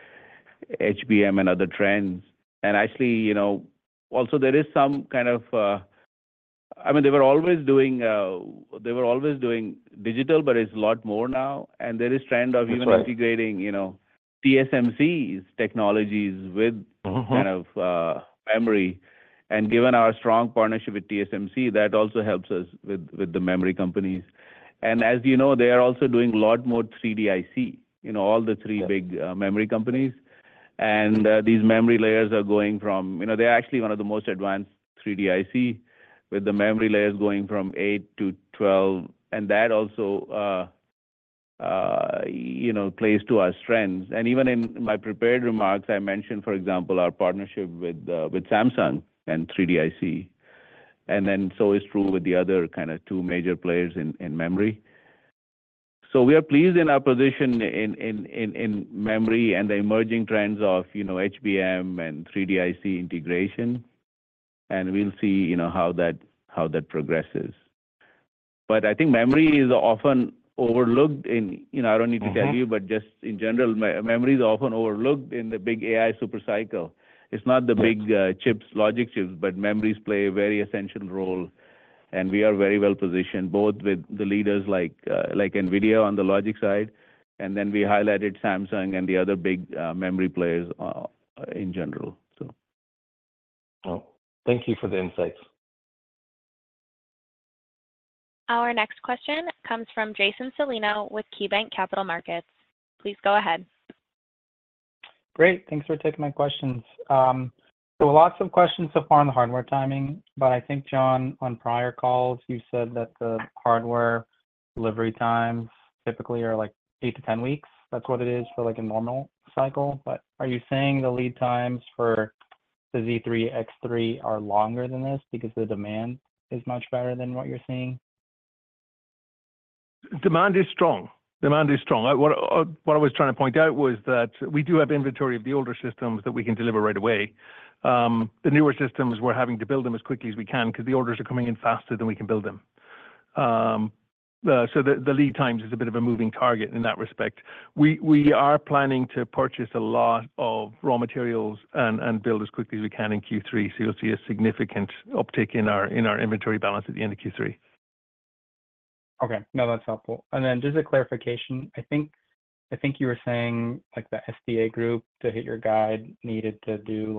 HBM and other trends. And actually, also there is some kind of, I mean, they were always doing digital, but it's a lot more now. And there is a trend of even integrating TSMC's technologies with kind of memory. And given our strong partnership with TSMC, that also helps us with the memory companies. And as you know, they are also doing a lot more 3D IC, all the three big memory companies. These memory layers are going from, they're actually one of the most advanced 3D-IC with the memory layers going from 8 to 12. That also plays to our strengths. Even in my prepared remarks, I mentioned, for example, our partnership with Samsung and 3D-IC. Then so is true with the other kind of two major players in memory. We are pleased in our position in memory and the emerging trends of HBM and 3D-IC integration. We'll see how that progresses. But I think memory is often overlooked in, I don't need to tell you, but just in general, memory is often overlooked in the big AI supercycle. It's not the big chips, logic chips, but memories play a very essential role. We are very well positioned both with the leaders like NVIDIA on the logic side. And then we highlighted Samsung and the other big memory players in general, so. Wow. Thank you for the insights. Our next question comes from Jason Celino with KeyBanc Capital Markets. Please go ahead. Great. Thanks for taking my questions. So lots of questions so far on the hardware timing. But I think, John, on prior calls, you said that the hardware delivery times typically are like 8-10 weeks. That's what it is for a normal cycle. But are you saying the lead times for the Z3/X3 are longer than this because the demand is much better than what you're seeing? Demand is strong. Demand is strong. What I was trying to point out was that we do have inventory of the older systems that we can deliver right away. The newer systems, we're having to build them as quickly as we can because the orders are coming in faster than we can build them. So the lead times is a bit of a moving target in that respect. We are planning to purchase a lot of raw materials and build as quickly as we can in Q3. So you'll see a significant uptick in our inventory balance at the end of Q3. Okay. No, that's helpful. And then just a clarification. I think you were saying the SDA group, to hit your guide, needed to do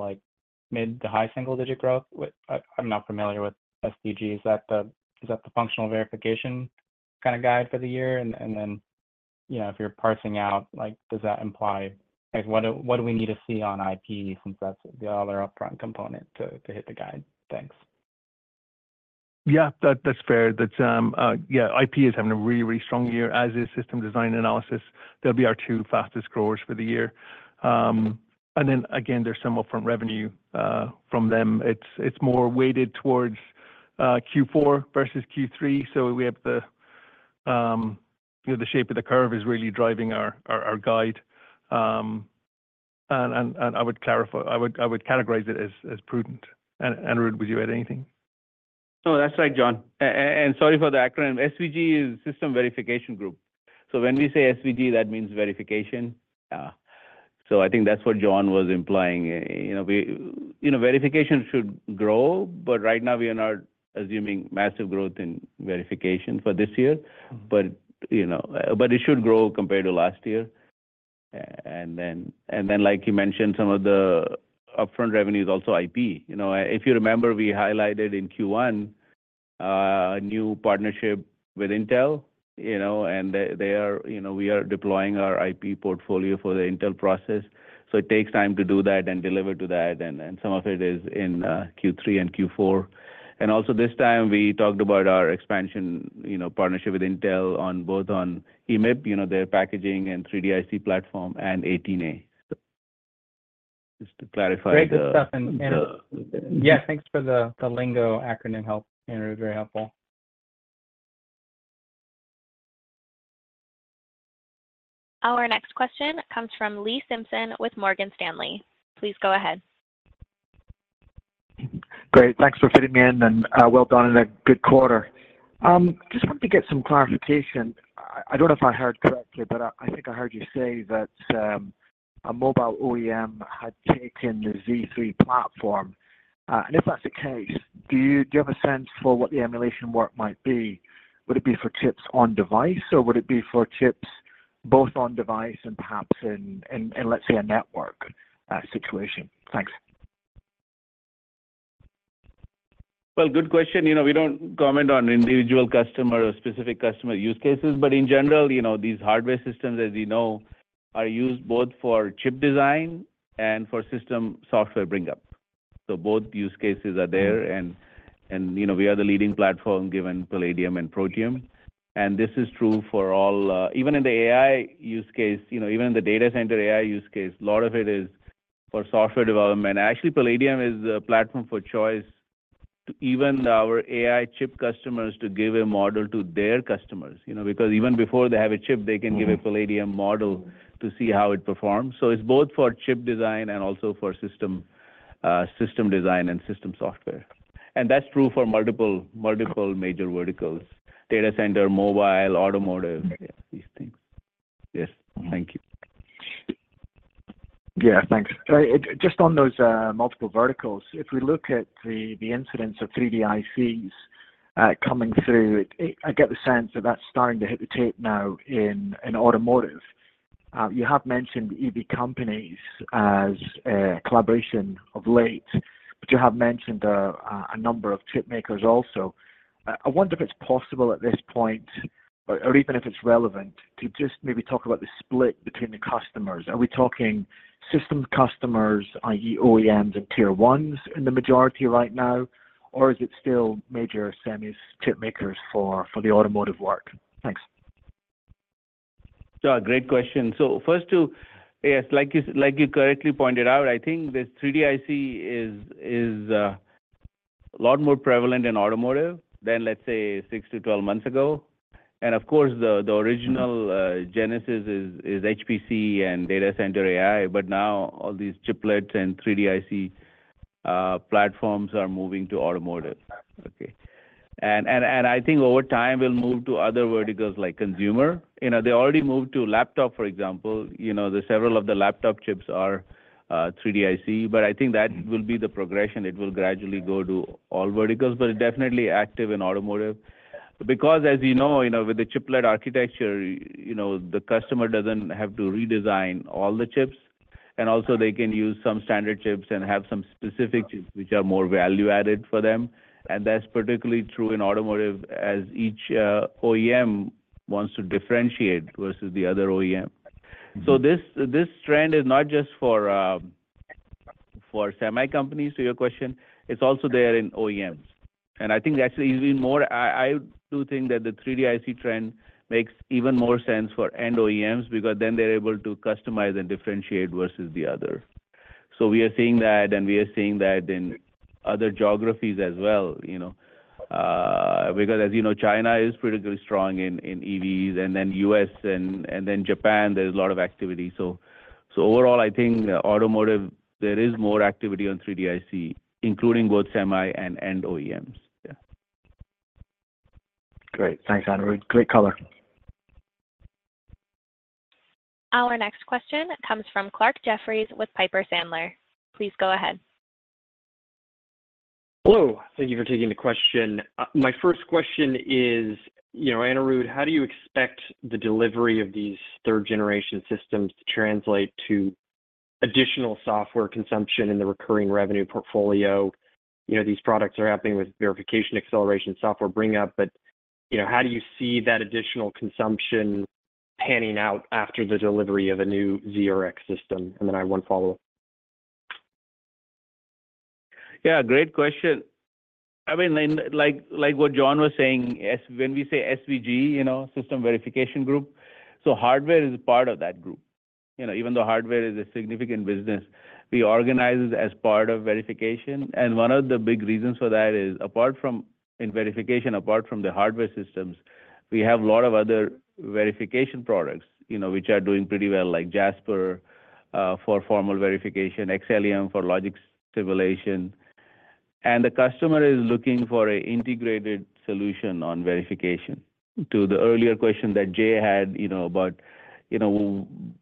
mid- to high single-digit growth. I'm not familiar with SVG. Is that the functional verification kind of guide for the year? And then if you're parsing out, does that imply what do we need to see on IP since that's the other upfront component to hit the guide? Thanks. Yeah, that's fair. Yeah, IP is having a really, really strong year, as is system design analysis. They'll be our two fastest growers for the year. And then again, there's some upfront revenue from them. It's more weighted towards Q4 versus Q3. So we have the shape of the curve is really driving our guide. And I would categorize it as prudent. Anirudh, would you add anything? No, that's right, John. And sorry for the acronym. SVG is System Verification Group. So when we say SVG, that means verification. So I think that's what John was implying. Verification should grow, but right now we are not assuming massive growth in verification for this year. But it should grow compared to last year. And then, like you mentioned, some of the upfront revenue is also IP. If you remember, we highlighted in Q1 a new partnership with Intel. And we are deploying our IP portfolio for the Intel process. So it takes time to do that and deliver to that. And some of it is in Q3 and Q4. And also this time, we talked about our expansion partnership with Intel both on EMIB, their packaging and 3D-IC platform, and 18A. Just to clarify. Great stuff. Yeah, thanks for the lingo acronym help. Very helpful. Our next question comes from Lee Simpson with Morgan Stanley. Please go ahead. Great. Thanks for fitting me in and well done in a good quarter. Just wanted to get some clarification. I don't know if I heard correctly, but I think I heard you say that a mobile OEM had taken the Z3 platform. And if that's the case, do you have a sense for what the emulation work might be? Would it be for chips on device, or would it be for chips both on device and perhaps in, let's say, a network situation? Thanks. Well, good question. We don't comment on individual customer or specific customer use cases. But in general, these hardware systems, as you know, are used both for chip design and for system software bring-up. So both use cases are there. And we are the leading platform given Palladium and Protium. And this is true for all, even in the AI use case, even in the data center AI use case, a lot of it is for software development. Actually, Palladium is a platform for choice to even our AI chip customers to give a model to their customers. Because even before they have a chip, they can give a Palladium model to see how it performs. So it's both for chip design and also for system design and system software. And that's true for multiple major verticals: data center, mobile, automotive, these things. Yes. Thank you. Yeah, thanks. Just on those multiple verticals, if we look at the incidence of 3D-ICs coming through, I get the sense that that's starting to hit the tape now in automotive. You have mentioned EV companies as a collaboration of late, but you have mentioned a number of chip makers also. I wonder if it's possible at this point, or even if it's relevant, to just maybe talk about the split between the customers. Are we talking system customers, i.e., OEMs and Tier ones in the majority right now, or is it still major semis chip makers for the automotive work? Thanks. Sure. Great question. So first, like you correctly pointed out, I think this 3D IC is a lot more prevalent in automotive than, let's say, 6-12 months ago. And of course, the original genesis is HPC and data center AI. But now all these chiplets and 3D IC platforms are moving to automotive. Okay. And I think over time, we'll move to other verticals like consumer. They already moved to laptop, for example. Several of the laptop chips are 3D IC. But I think that will be the progression. It will gradually go to all verticals, but it's definitely active in automotive. Because, as you know, with the chiplet architecture, the customer doesn't have to redesign all the chips. And also, they can use some standard chips and have some specific chips which are more value-added for them. That's particularly true in automotive as each OEM wants to differentiate versus the other OEM. So this trend is not just for semi companies, to your question. It's also there in OEMs. And I think actually even more, I do think that the 3D IC trend makes even more sense for end OEMs because then they're able to customize and differentiate versus the other. So we are seeing that, and we are seeing that in other geographies as well. Because as you know, China is particularly strong in EVs, and then U.S., and then Japan, there's a lot of activity. So overall, I think automotive, there is more activity on 3D IC, including both semi and end OEMs. Yeah. Great. Thanks, Anirudh. Great color. Our next question comes from Clarke Jeffries with Piper Sandler. Please go ahead. Hello. Thank you for taking the question. My first question is, Anirudh, how do you expect the delivery of these third-generation systems to translate to additional software consumption in the recurring revenue portfolio? These products are happening with verification acceleration software bring-up, but how do you see that additional consumption panning out after the delivery of a new Z3 system? And then I have one follow-up. Yeah, great question. I mean, like what John was saying, when we say SVG, System Verification Group, so hardware is a part of that group. Even though hardware is a significant business, we organize it as part of verification. And one of the big reasons for that is, apart from in verification, apart from the hardware systems, we have a lot of other verification products which are doing pretty well, like Jasper for formal verification, Xcelium for logic simulation. And the customer is looking for an integrated solution on verification. To the earlier question that Jay had about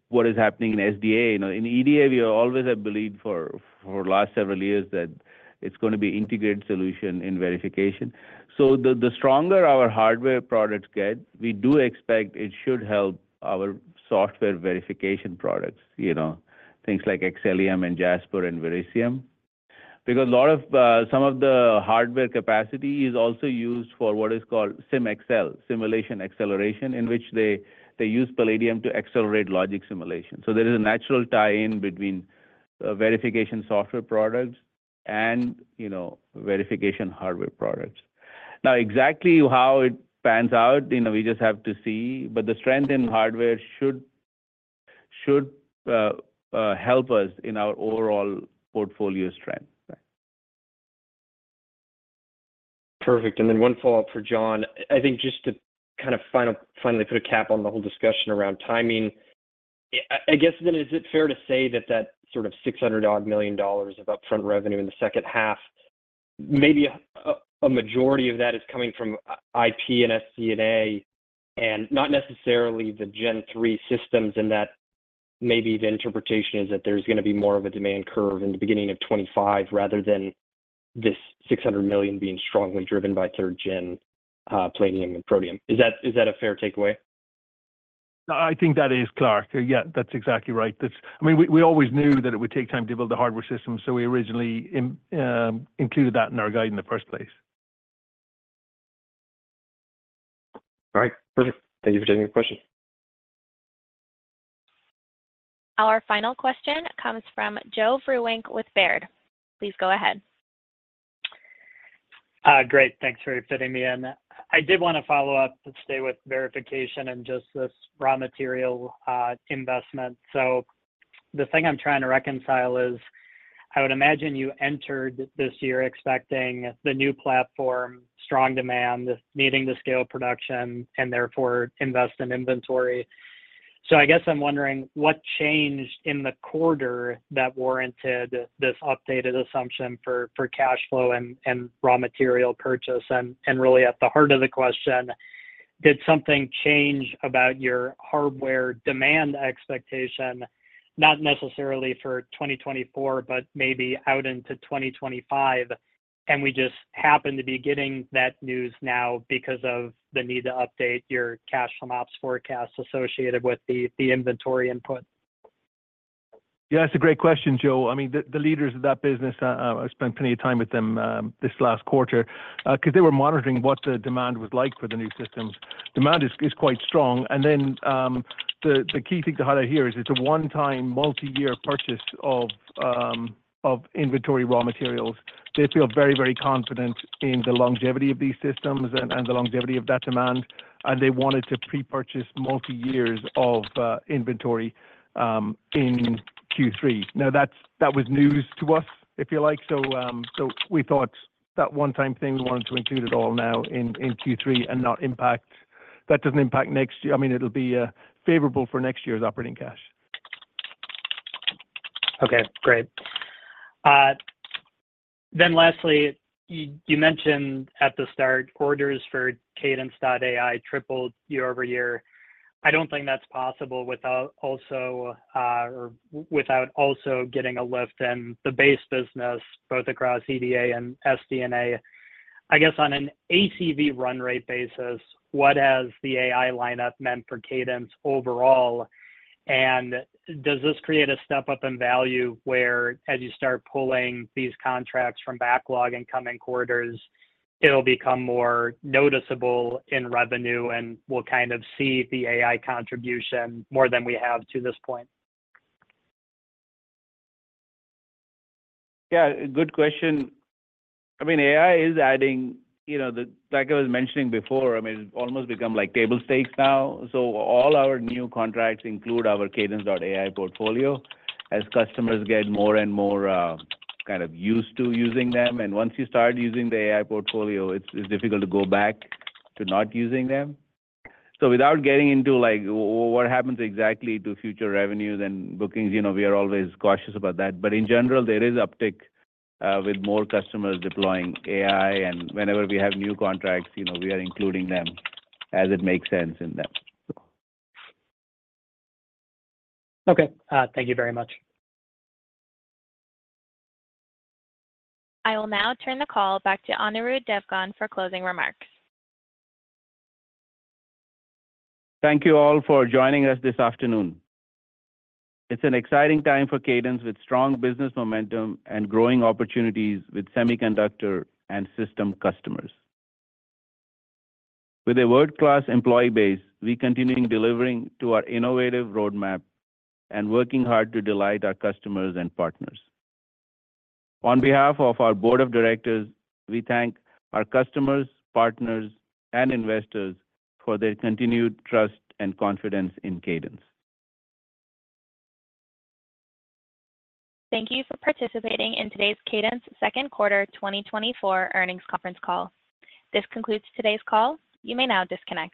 what is happening in SDA, in EDA, we are always, I believe, for the last several years that it's going to be an integrated solution in verification. So the stronger our hardware products get, we do expect it should help our software verification products, things like Xcelium and Jasper and Verisium. Because some of the hardware capacity is also used for what is called SimAccel, Simulation Acceleration, in which they use Palladium to accelerate logic simulation. So there is a natural tie-in between verification software products and verification hardware products. Now, exactly how it pans out, we just have to see. But the strength in hardware should help us in our overall portfolio strength. Perfect. Then one follow-up for John. I think just to kind of finally put a cap on the whole discussion around timing, I guess then is it fair to say that that sort of $600 million of upfront revenue in the second half, maybe a majority of that is coming from IP and SDA and not necessarily the Gen 3 systems, and that maybe the interpretation is that there's going to be more of a demand curve in the beginning of 2025 rather than this $600 million being strongly driven by third-gen Palladium and Protium. Is that a fair takeaway? I think that is, Clark. Yeah, that's exactly right. I mean, we always knew that it would take time to build the hardware system, so we originally included that in our guide in the first place. All right. Perfect. Thank you for taking the question. Our final question comes from Joe Vruwink with Baird. Please go ahead. Great. Thanks for fitting me in. I did want to follow up and stay with verification and just this raw material investment. So the thing I'm trying to reconcile is I would imagine you entered this year expecting the new platform, strong demand, needing to scale production, and therefore invest in inventory. So I guess I'm wondering what changed in the quarter that warranted this updated assumption for cash flow and raw material purchase. And really, at the heart of the question, did something change about your hardware demand expectation, not necessarily for 2024, but maybe out into 2025? And we just happen to be getting that news now because of the need to update your cash flow maps forecast associated with the inventory input. Yeah, that's a great question, Joe. I mean, the leaders of that business, I spent plenty of time with them this last quarter because they were monitoring what the demand was like for the new systems. Demand is quite strong. And then the key thing to highlight here is it's a one-time multi-year purchase of inventory raw materials. They feel very, very confident in the longevity of these systems and the longevity of that demand. And they wanted to pre-purchase multi-years of inventory in Q3. Now, that was news to us, if you like. So we thought that one-time thing, we wanted to include it all now in Q3 and not impact. That doesn't impact next year. I mean, it'll be favorable for next year's operating cash. Okay. Great. Then lastly, you mentioned at the start, orders for Cadence AI tripled year-over-year. I don't think that's possible without also getting a lift in the base business, both across EDA and SDA. I guess on an ACV run rate basis, what has the AI lineup meant for Cadence overall? And does this create a step up in value where, as you start pulling these contracts from backlog in coming quarters, it'll become more noticeable in revenue and we'll kind of see the AI contribution more than we have to this point? Yeah, good question. I mean, AI is adding, like I was mentioning before, I mean, it's almost become like table stakes now. So all our new contracts include our Cadence AI portfolio as customers get more and more kind of used to using them. And once you start using the AI portfolio, it's difficult to go back to not using them. So without getting into what happens exactly to future revenues and bookings, we are always cautious about that. But in general, there is uptick with more customers deploying AI. And whenever we have new contracts, we are including them as it makes sense in them. Okay. Thank you very much. I will now turn the call back to Anirudh Devgan for closing remarks. Thank you all for joining us this afternoon. It's an exciting time for Cadence with strong business momentum and growing opportunities with semiconductor and system customers. With a world-class employee base, we continue delivering to our innovative roadmap and working hard to delight our customers and partners. On behalf of our board of directors, we thank our customers, partners, and investors for their continued trust and confidence in Cadence. Thank you for participating in today's Cadence second quarter 2024 earnings conference call. This concludes today's call. You may now disconnect.